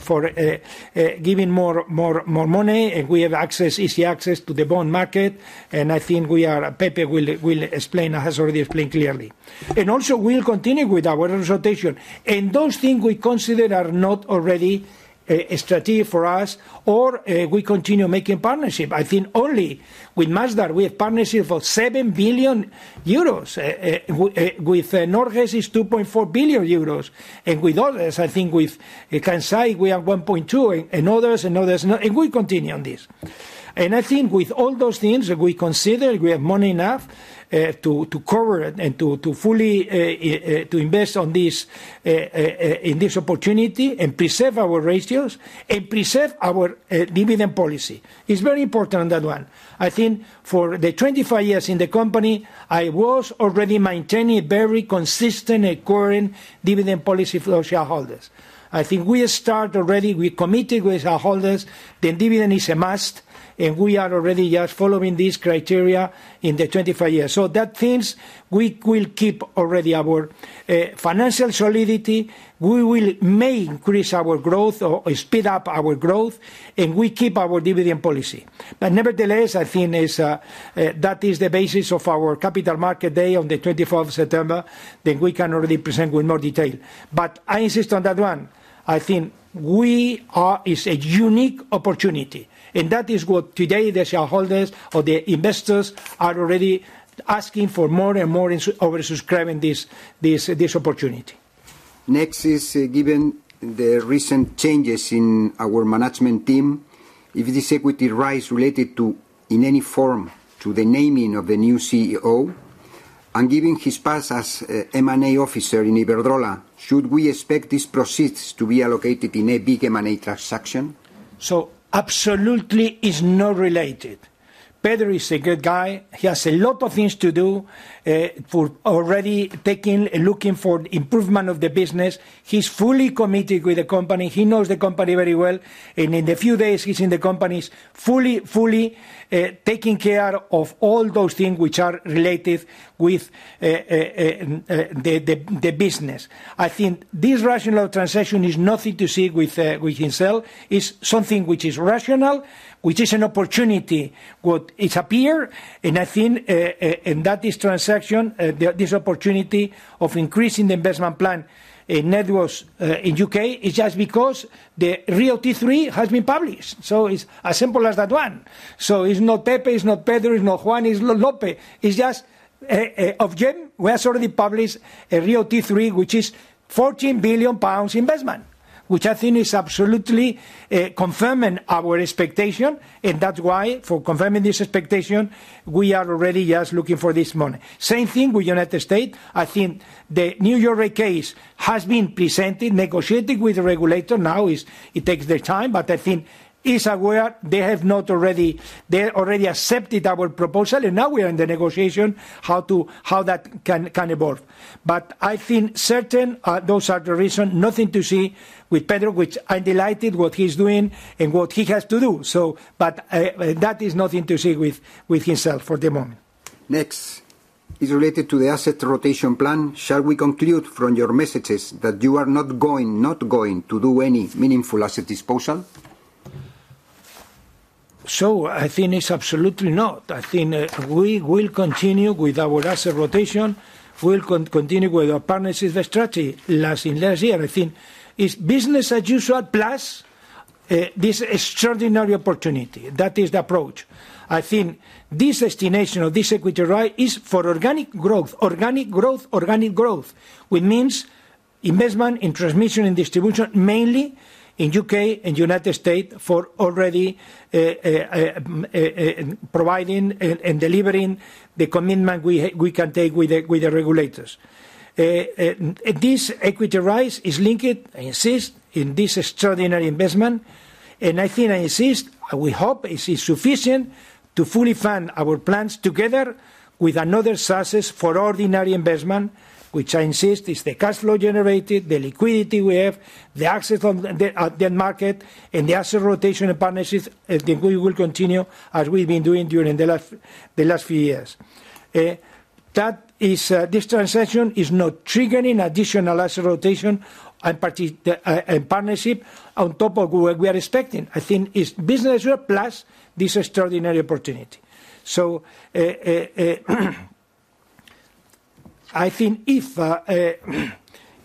Speaker 2: giving more money, and we have easy access to the bond market. I think Pepe will explain, has already explained clearly. Also, we will continue with our rotation. Those things we consider are not already strategic for us, or we continue making partnerships. I think only with Masdar, we have partnerships of 7 billion euros. With Norges, it is 2.4 billion euros, and with others, I think with Kansai, we have 1.2 billion, and others, and others, and we continue on this. I think with all those things that we consider, we have money enough to cover and to fully invest in this opportunity and preserve our ratios and preserve our dividend policy. It is very important on that one. I think for the 25 years in the company, I was already maintaining a very consistent and coherent dividend policy for our shareholders. I think we start already, we committed with our shareholders, the dividend is a must, and we are already just following these criteria in the 25 years. That means we will keep already our financial solidity. We may increase our growth or speed up our growth, and we keep our dividend policy. Nevertheless, I think that is the basis of our Capital Market Day on the 24th of September that we can already present with more detail. I insist on that one. I think it is a unique opportunity, and that is what today the shareholders or the investors are already asking for more and more over-subscribing this opportunity.
Speaker 1: Next is, given the recent changes in our management team, if this equity rise related in any form to the naming of the new CEO. And given his past as M&A officer in Iberdrola, should we expect these proceeds to be allocated in a big M&A transaction?
Speaker 2: Absolutely it is not related. Pedro is a good guy. He has a lot of things to do. Already looking for improvement of the business. He's fully committed with the company. He knows the company very well. In a few days, he's in the company fully, taking care of all those things which are related with the business. I think this rationale of transaction is nothing to see with himself. It's something which is rational, which is an opportunity what it appeared. I think that this transaction, this opportunity of increasing the investment plan in networks in the U.K. is just because the RIIO-T3 has been published. It's as simple as that one. It's not Pepe, it's not Pedro, it's not Juan, it's not Lope. It's just Ofgem, we have already published a RIIO-T3, which is 14 billion pounds investment, which I think is absolutely confirming our expectation. That's why, for confirming this expectation, we are already just looking for this money. Same thing with the United States. I think the new New York case has been presented, negotiated with the regulator. Now it takes their time, but I think it's aware. They have not already accepted our proposal, and now we are in the negotiation how that can evolve. I think certain those are the reasons, nothing to see with Pedro, which I'm delighted what he's doing and what he has to do. That is nothing to see with himself for the moment.
Speaker 1: Next is related to the asset rotation plan. Shall we conclude from your messages that you are not going to do any meaningful asset disposal?
Speaker 2: I think it's absolutely not. I think we will continue with our asset rotation. We'll continue with our partnership strategy. Last year, I think it's business as usual plus this extraordinary opportunity. That is the approach. I think this destination of this equity rise is for organic growth, organic growth, organic growth, which means investment in transmission and distribution, mainly in the U.K. and United States for already providing and delivering the commitment we can take with the regulators. This equity rise is linked, I insist, in this extraordinary investment. I think, I insist, we hope it is sufficient to fully fund our plans together with another sources for ordinary investment, which I insist is the cash flow generated, the liquidity we have, the access on the market, and the asset rotation and partnerships that we will continue as we've been doing during the last few years. This transaction is not triggering additional asset rotation and partnership on top of what we are expecting. I think it's business as usual plus this extraordinary opportunity. If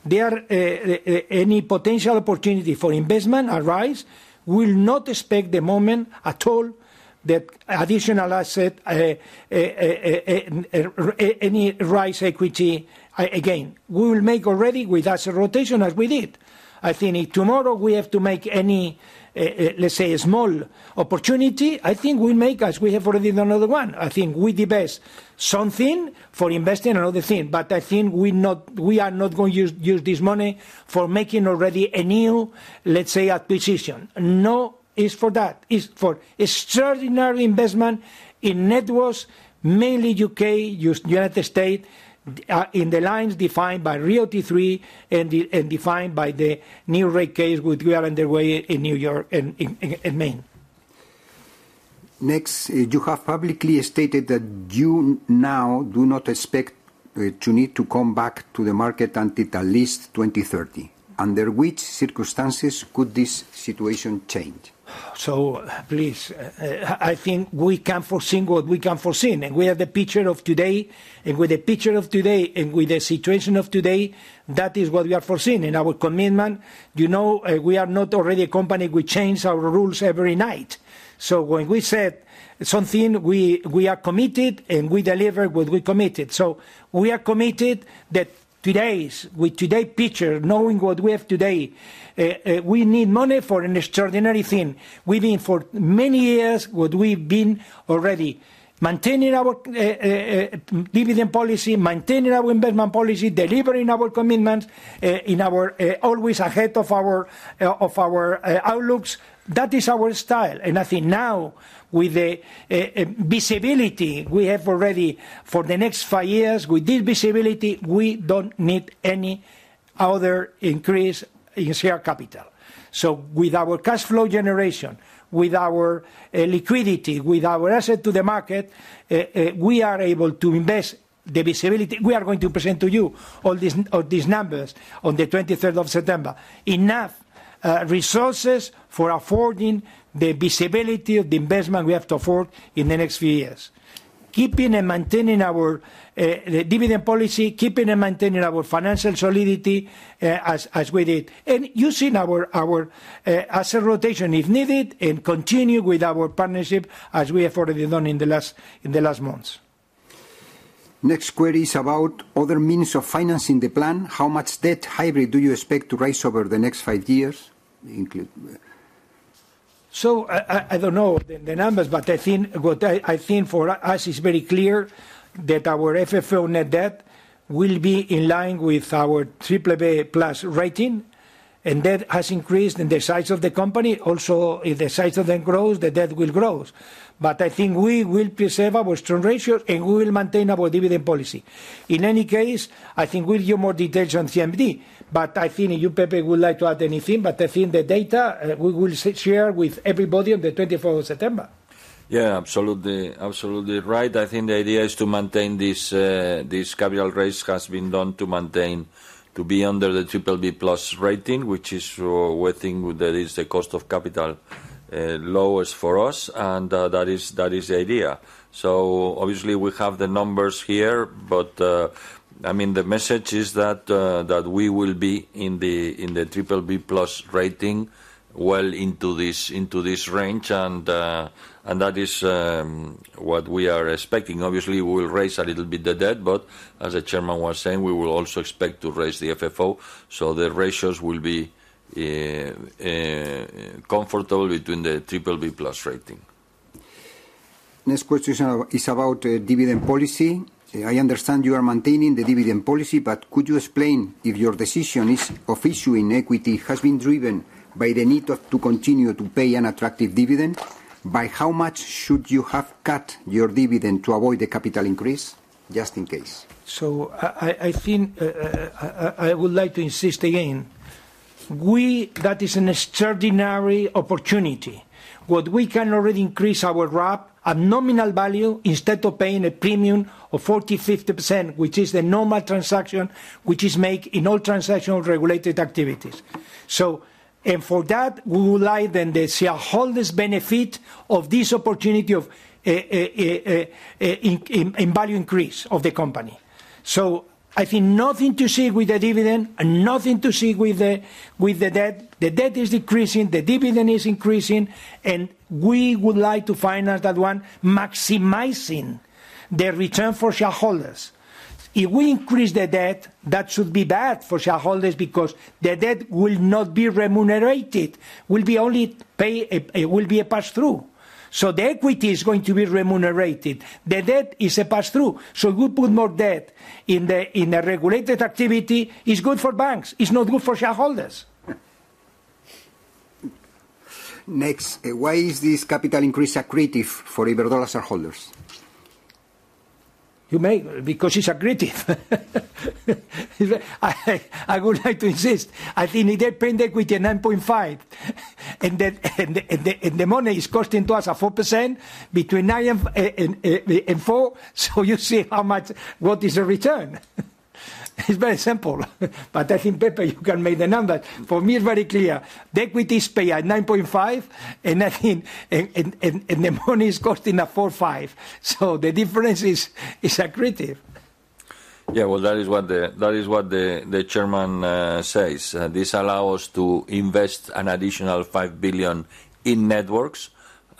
Speaker 2: there are any potential opportunities for investment arise, we will not expect the moment at all that additional asset. Any rise equity again. We will make already with asset rotation as we did. I think tomorrow we have to make any, let's say, small opportunity. I think we'll make as we have already done another one. I think we divest something for investing in another thing. I think we are not going to use this money for making already a new, let's say, acquisition. No, it is for that. It is for extraordinary investment in networks, mainly U.K., United States, in the lines defined by RIIO-T3 and defined by the new rate case which we are underway in New York and Maine.
Speaker 1: Next, you have publicly stated that you now do not expect to need to come back to the market until at least 2030. Under which circumstances could this situation change?
Speaker 2: Please, I think we can foresee what we can foresee. We have the picture of today. With the picture of today and with the situation of today, that is what we are foreseeing in our commitment. You know we are not already a company which changes our rules every night. When we said something, we are committed and we deliver what we committed. We are committed that today's picture, knowing what we have today. We need money for an extraordinary thing. We have been for many years already maintaining our dividend policy, maintaining our investment policy, delivering our commitments, always ahead of our outlooks. That is our style. I think now with the visibility we have already for the next five years, with this visibility, we do not need any other increase in share capital. With our cash flow generation, with our liquidity, with our asset to the market, we are able to invest the visibility. We are going to present to you all these numbers on the 23rd of September. Enough resources for affording the visibility of the investment we have to afford in the next few years. Keeping and maintaining our dividend policy, keeping and maintaining our financial solidity as we did, and using our asset rotation if needed and continue with our partnership as we have already done in the last months. Next query is about other means of financing the plan. How much debt hybrid do you expect to raise over the next five years? I do not know the numbers, but I think what I think for us is very clear that our FFO net debt will be in line with our triple A plus rating. That has increased in the size of the company. Also, if the size of them grows, the debt will grow. I think we will preserve our strong ratio and we will maintain our dividend policy. In any case, I think we will give more details on CMD. I think you, Pepe, would like to add anything. I think the data we will share with everybody on the 24th of September.
Speaker 3: Yeah, absolutely. Absolutely right. I think the idea is to maintain this. Capital raise has been done to maintain, to be under the triple B plus rating, which is where I think that is the cost of capital. Lowest for us. That is the idea. Obviously, we have the numbers here, but I mean the message is that we will be in the triple B plus rating well into this range. That is what we are expecting. Obviously, we will raise a little bit the debt, but as the Chairman was saying, we will also expect to raise the FFO. The ratios will be comfortable between the triple B plus rating.
Speaker 1: Next question is about dividend policy. I understand you are maintaining the dividend policy, but could you explain if your decision of issuing equity has been driven by the need to continue to pay an attractive dividend? By how much should you have cut your dividend to avoid the capital increase? Just in case.
Speaker 2: I think I would like to insist again. That is an extraordinary opportunity. What we can already increase our RAB at nominal value instead of paying a premium of 40-50%, which is the normal transaction which is made in all transactional regulated activities. For that, we would like then the shareholders' benefit of this opportunity of in value increase of the company. I think nothing to see with the dividend and nothing to see with the debt. The debt is decreasing, the dividend is increasing, and we would like to finance that one, maximizing the return for shareholders. If we increase the debt, that should be bad for shareholders because the debt will not be remunerated. It will be only a pass-through. The equity is going to be remunerated. The debt is a pass-through. If we put more debt in the regulated activity, it's good for banks. It's not good for shareholders.
Speaker 1: Next, why is this capital increase aggressive for Iberdrola shareholders?
Speaker 2: Because it's aggressive. I would like to insist. I think they paid the equity at 9.5. The money is costing to us a 4% betweenEUR 9 and 4. You see how much, what is the return. It's very simple. I think, Pepe, you can make the numbers. For me, it's very clear. The equity is paid at 9.5, and the money is costing at 4.5%. The difference is aggressive.
Speaker 3: That is what the Chairman says. This allows us to invest an additional 5 billion in networks,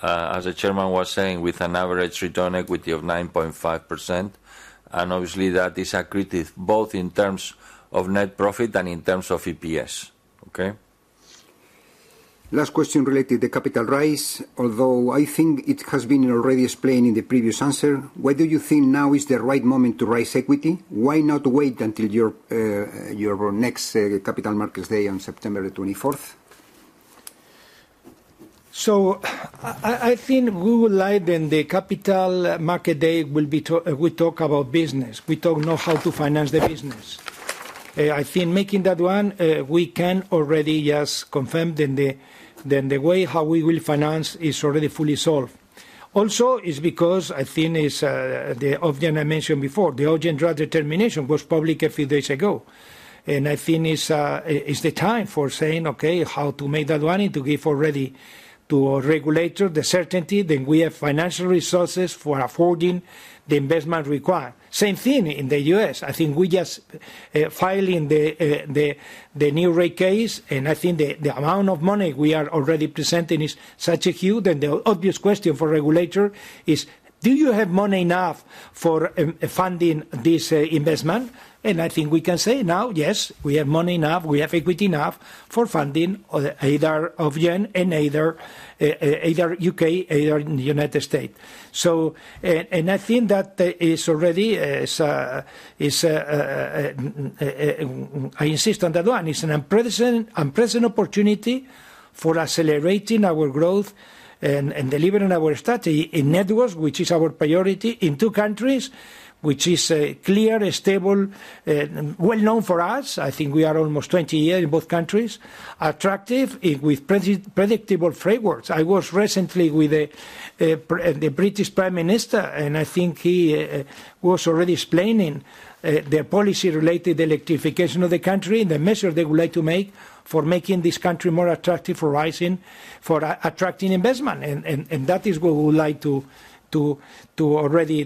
Speaker 3: as the Chairman was saying, with an average return equity of 9.5%. Obviously, that is aggressive both in terms of net profit and in terms of EPS.
Speaker 1: Last question related to the capital rise, although I think it has been already explained in the previous answer. Why do you think now is the right moment to raise equity? Why not wait until your next Capital Markets Day on September 24th?
Speaker 2: I think we would like then the Capital Market Day will be we talk about business. We talk now how to finance the business. I think making that one, we can already just confirm then the way how we will finance is already fully solved. Also, it's because I think it's the audit I mentioned before. The audit and draft determination was published a few days ago. I think it's the time for saying, okay, how to make that money to give already to a regulator the certainty that we have financial resources for affording the investment required. Same thing in the U.S. I think we just filing the new rate case. I think the amount of money we are already presenting is such a huge. The obvious question for a regulator is, do you have money enough for funding this investment? I think we can say now, yes, we have money enough. We have equity enough for funding either of Jin and either U.K., either in the United States. I think that is already. I insist on that one. It's an unprecedented opportunity for accelerating our growth and delivering our strategy in networks, which is our priority in two countries, which is clear, stable, well-known for us. I think we are almost 20 years in both countries, attractive with predictable frameworks. I was recently with the British Prime Minister, and I think he was already explaining the policy-related electrification of the country and the measures they would like to make for making this country more attractive for rising, for attracting investment. That is what we would like to already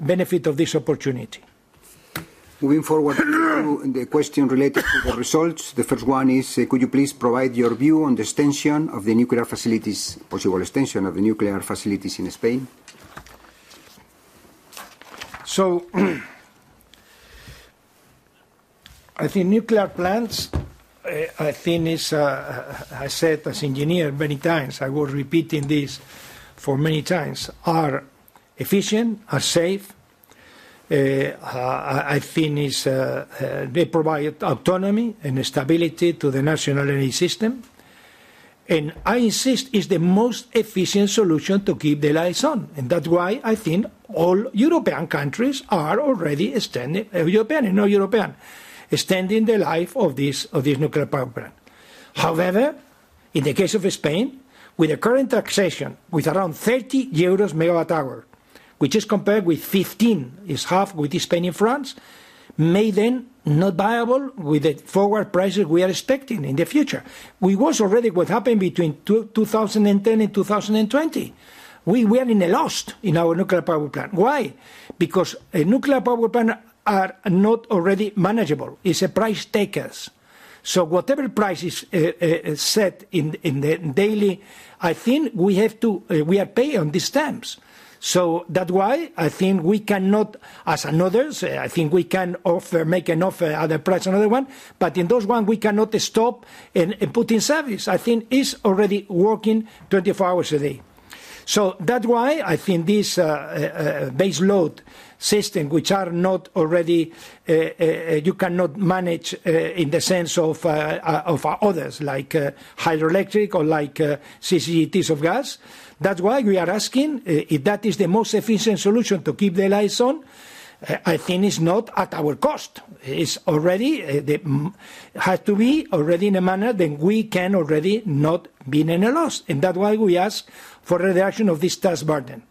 Speaker 2: benefit of this opportunity.
Speaker 1: Moving forward to the question related to the results, the first one is, could you please provide your view on the extension of the nuclear facilities, possible extension of the nuclear facilities in Spain?
Speaker 2: I think nuclear plants, I think, I said as an engineer many times, I was repeating this for many times, are efficient, are safe. I think they provide autonomy and stability to the national energy system. I insist it's the most efficient solution to keep the lights on. That's why I think all European countries are already extending, European and non-European, extending the life of this nuclear power plant. However, in the case of Spain, with the current taxation, with around 30 euros MWh, which is compared with 15, is half with Spain and France, may then not be viable with the forward prices we are expecting in the future. We was already what happened between 2010 and 2020. We were in a lost in our nuclear power plant. Why? Because a nuclear power plant are not already manageable. It's a price takers. So whatever price is set in the daily, I think we have to, we are paying on these stamps. That's why I think we cannot, as another, I think we can offer, make an offer, other price, another one. In those one, we cannot stop and put in service. I think it's already working 24 hours a day. That's why I think this. Baseload system, which are not already, you cannot manage in the sense of others like hydroelectric or like CCTs of gas. That's why we are asking if that is the most efficient solution to keep the lights on. I think it's not at our cost. It's already. Has to be already in a manner that we can already not be in a loss. That's why we ask for the reduction of this tax burden.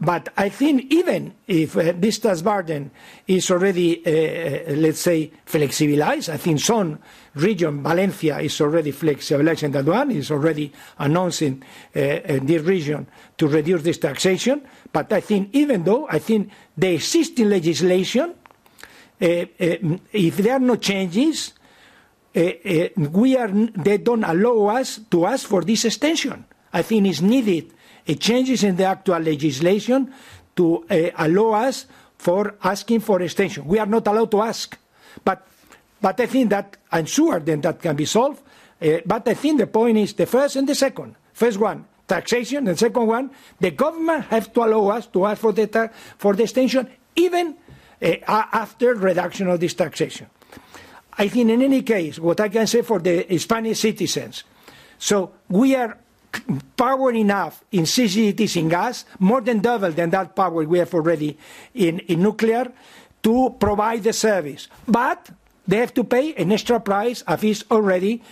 Speaker 2: I think even if this tax burden is already, let's say, flexibilized, I think some region, Valencia, is already flexibilized in that one. It's already announcing in this region to reduce this taxation. I think even though I think the existing legislation. If there are no changes. They don't allow us to ask for this extension. I think it's needed changes in the actual legislation to allow us for asking for extension. We are not allowed to ask. I think that I'm sure then that can be solved. I think the point is the first and the second. First one, taxation. The second one, the government has to allow us to ask for the extension even after reduction of this taxation. I think in any case, what I can say for the Spanish citizens, we are power enough in CCTs in gas, more than double than that power we have already in nuclear to provide the service. They have to pay an extra price of this already.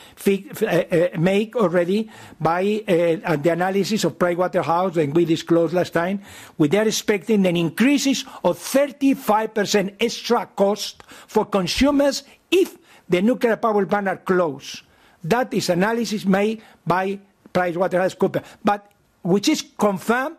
Speaker 2: Make already by the analysis of Pricewaterhouse that we disclosed last time. We are expecting an increase of 35% extra cost for consumers if the nuclear power plant are closed. That is analysis made by PricewaterhouseCoopers. Which is confirmed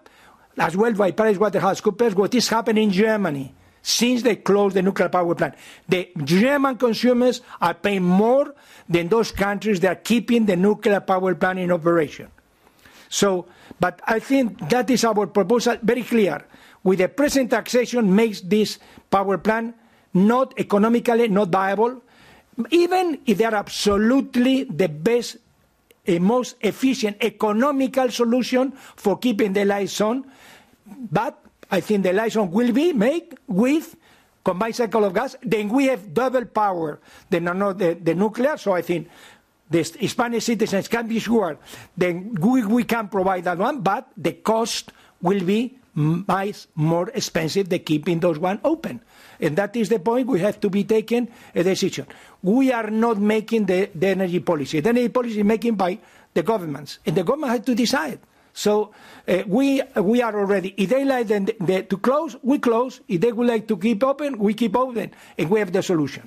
Speaker 2: as well by PricewaterhouseCoopers, what is happening in Germany since they closed the nuclear power plant. The German consumers are paying more than those countries that are keeping the nuclear power plant in operation. I think that is our proposal, very clear. With the present taxation, make this power plant not economically not viable, even if they are absolutely the best. Most efficient economical solution for keeping the lights on. I think the lights on will be made with combined cycle of gas, then we have double power than the nuclear. I think the Spanish citizens can be sure that we can provide that one, but the cost will be much more expensive than keeping those ones open. That is the point we have to be taking a decision. We are not making the energy policy. The energy policy is making by the governments. The government has to decide. We are already, if they like to close, we close. If they would like to keep open, we keep open. And we have the solution.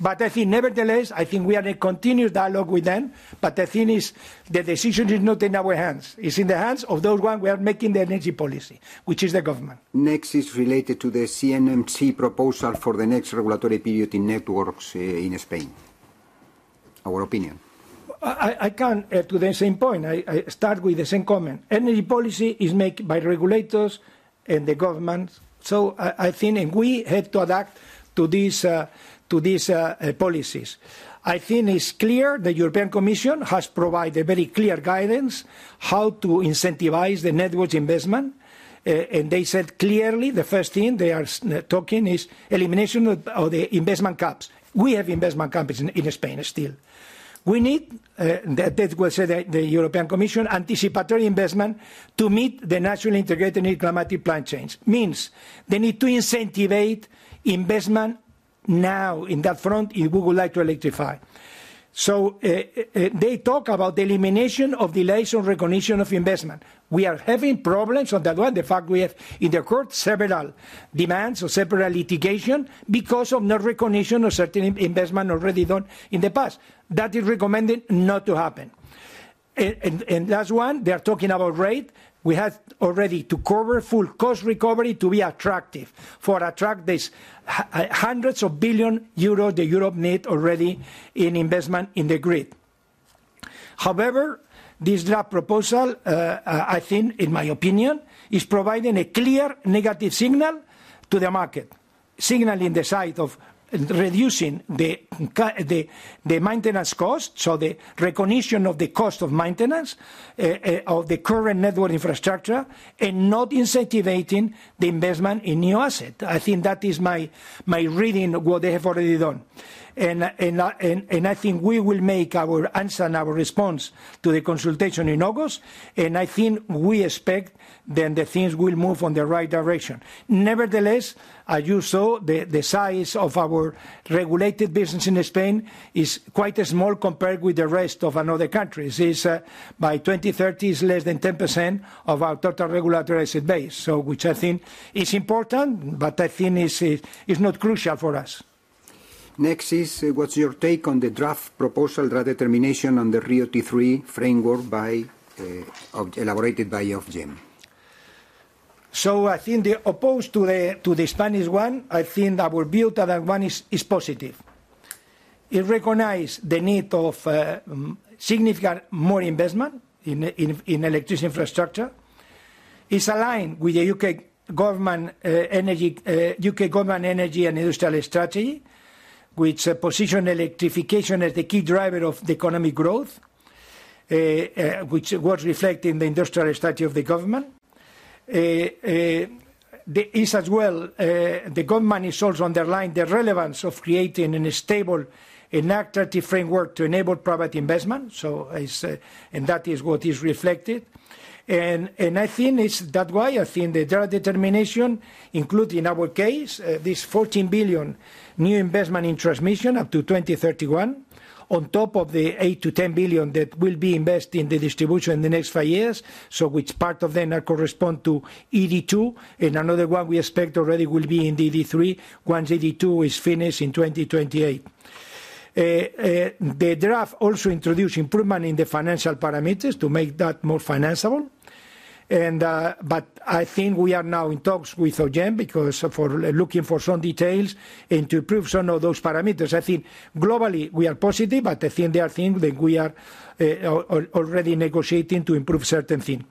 Speaker 2: But I think nevertheless, I think we are in continuous dialogue with them. The thing is, the decision is not in our hands. It is in the hands of those ones who are making the energy policy, which is the government.
Speaker 1: Next is related to the CNMC proposal for the next regulatory period in networks in Spain. Our opinion. I come to the same point.
Speaker 2: I start with the same comment. Energy policy is made by regulators and the government. I think we have to adapt to these policies. I think it is clear the European Commission has provided very clear guidance how to incentivize the networks investment. They said clearly the first thing they are talking is elimination of the investment caps. We have investment caps in Spain still. We need, that was said by the European Commission, anticipatory investment to meet the national integrated climate plan change. Means they need to incentivize investment now in that front if we would like to electrify. They talk about the elimination of delays on recognition of investment. We are having problems on that one. The fact we have in the court several demands or several litigation because of no recognition of certain investment already done in the past. That is recommended not to happen. Last one, they are talking about rate. We have already to cover full cost recovery to be attractive for attract this. Hundreds of billion euros the Europe need already in investment in the grid. However, this last proposal, I think, in my opinion, is providing a clear negative signal to the market, signaling the side of reducing the maintenance cost, so the recognition of the cost of maintenance of the current network infrastructure and not incentivizing the investment in new assets. I think that is my reading of what they have already done. I think we will make our answer and our response to the consultation in August. I think we expect then the things will move in the right direction. Nevertheless, as you saw, the size of our regulated business in Spain is quite small compared with the rest of another country. By 2030, it is less than 10% of our total regulatory asset base, which I think is important, but I think it is not crucial for us.
Speaker 1: Next is, what's your take on the draft proposal draft determination on the RIIO-T3 framework elaborated by Ofgem?
Speaker 2: I think opposed to the Spanish one, I think our view to that one is positive. It recognizes the need of significant more investment in electricity infrastructure. It is aligned with the U.K. government energy and industrial strategy, which positions electrification as the key driver of the economic growth, which was reflected in the industrial strategy of the government. It's as well, the government is also underlining the relevance of creating a stable and attractive framework to enable private investment. That is what is reflected. I think it's that why I think the draft determination, including our case, this 14 billion new investment in transmission up to 2031, on top of the 8-10 billion that will be invested in the distribution in the next five years, so which part of them corresponds to ED2. Another one we expect already will be in the ED3 once ED2 is finished in 2028. The draft also introduced improvement in the financial parameters to make that more financeable. I think we are now in talks with Ofgem because for looking for some details and to improve some of those parameters. I think globally, we are positive, but I think they are thinking that we are already negotiating to improve certain things.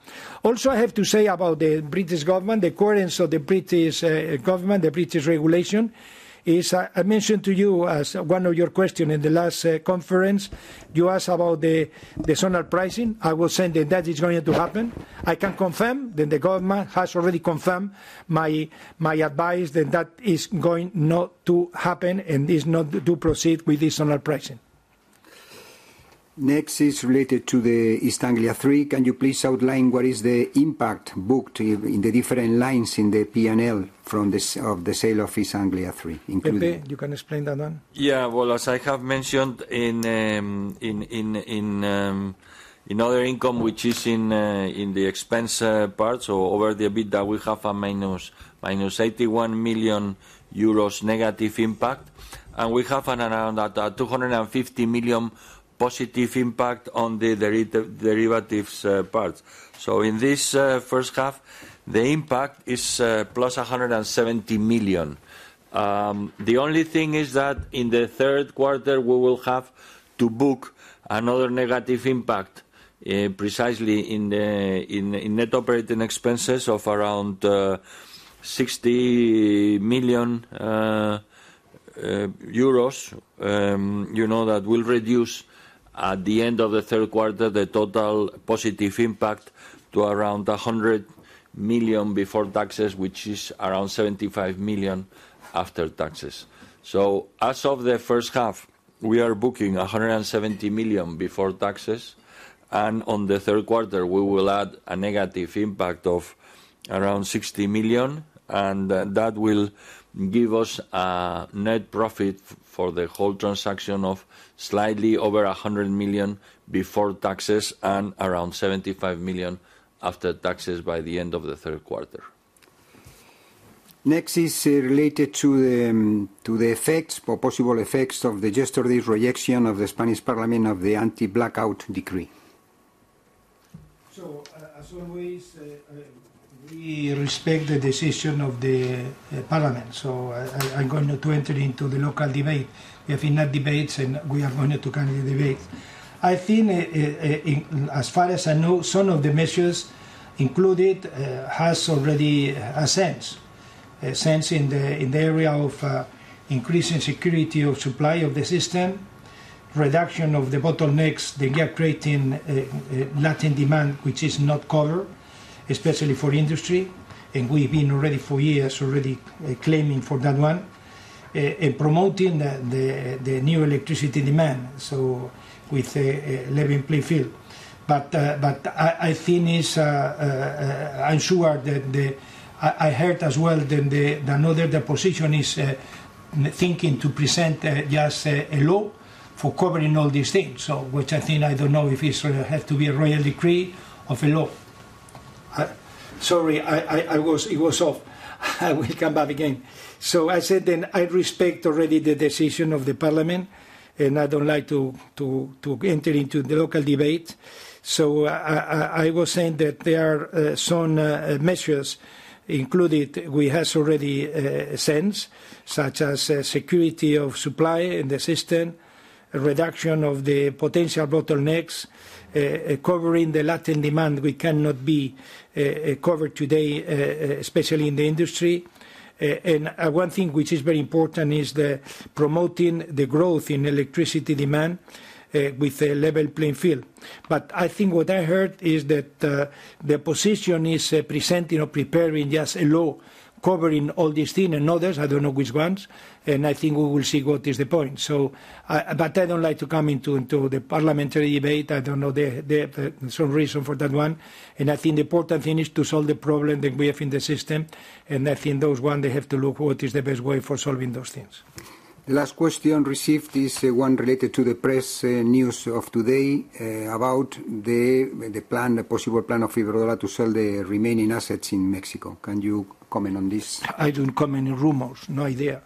Speaker 2: Also, I have to say about the British government, the coherence of the British government, the British regulation. I mentioned to you as one of your questions in the last conference, you asked about the zonal pricing. I will say that that is going to happen. I can confirm that the government has already confirmed my advice that that is going not to happen and is not to proceed with this zonal pricing.
Speaker 1: Next is related to the East Anglia Three. Can you please outline what is the impact booked in the different lines in the P&L of the sale of East Anglia Three?
Speaker 2: Pepe, you can explain that one.
Speaker 3: Yeah, as I have mentioned in other income, which is in the expense part, so over the bid that we have a minus 81 million euros negative impact. We have around 250 million positive impact on the derivatives part. In this first half, the impact is plus 170 million. The only thing is that in the third quarter, we will have to book another negative impact, precisely in net operating expenses of around 60 million euros. That will reduce at the end of the third quarter the total positive impact to around 100 million before taxes, which is around 75 million after taxes. As of the first half, we are booking 170 million before taxes. In the third quarter, we will add a negative impact of around 60 million. That will give us a net profit for the whole transaction of slightly over 100 million before taxes and around 75 million after taxes by the end of the third quarter.
Speaker 1: Next is related to the effects, possible effects of the gesture, this rejection of the Spanish Parliament of the anti-blackout decree.
Speaker 2: As always, we respect the decision of the Parliament. I'm going to enter into the local debate. We have enough debates and we are going to continue the debate. I think as far as I know, some of the measures included has already a sense. Sense in the area of increasing security of supply of the system, reduction of the bottlenecks that we are creating. Letting demand, which is not covered, especially for industry. We have been already for years already claiming for that one. Promoting the new electricity demand. With level playing field. I think it is. I am sure that I heard as well that another position is thinking to present just a law for covering all these things, which I think I do not know if it has to be a royal decree or a law. Sorry, it was off. I will come back again. I said then I respect already the decision of the Parliament, and I do not like to enter into the local debate. I was saying that there are some measures included we have already sensed, such as security of supply in the system, reduction of the potential bottlenecks, covering the latent demand we cannot be covered today, especially in the industry. One thing which is very important is promoting the growth in electricity demand with a level playing field. I think what I heard is that the position is presenting or preparing just a law covering all these things and others. I do not know which ones. I think we will see what is the point. I do not like to come into the parliamentary debate. I do not know some reason for that one. I think the important thing is to solve the problem that we have in the system. I think those one, they have to look what is the best way for solving those things.
Speaker 1: Last question received is one related to the press news of today about the possible plan of Iberdrola to sell the remaining assets in Mexico. Can you comment on this?
Speaker 2: I do not comment on rumors. No idea.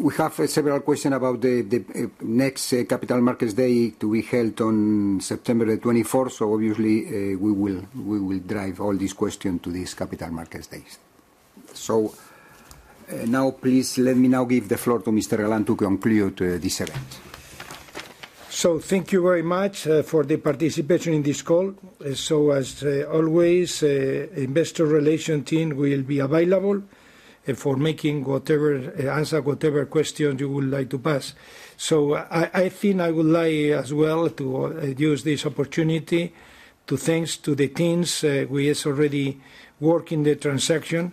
Speaker 1: We have several questions about the next Capital Markets Day to be held on September 24th. Obviously, we will drive all these questions to these Capital Markets Days. Now, please let me now give the floor to Mr. Galán to conclude this event.
Speaker 2: Thank you very much for the participation in this call. As always, investor relation team will be available for answering whatever questions you would like to pass. I think I would like as well to use this opportunity to thank the teams we have already worked on the transaction,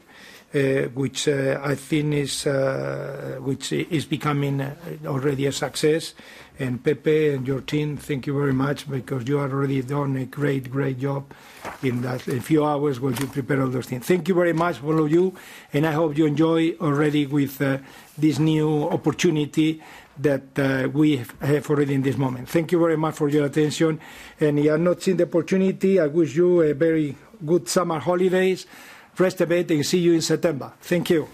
Speaker 2: which I think is becoming already a success. Pepe and your team, thank you very much because you have already done a great, great job in that few hours where you prepared all those things. Thank you very much, all of you. I hope you enjoy already with this new opportunity that we have already in this moment. Thank you very much for your attention. If you have not seen the opportunity, I wish you a very good summer holidays. Rest of it and see you in September. Thank you.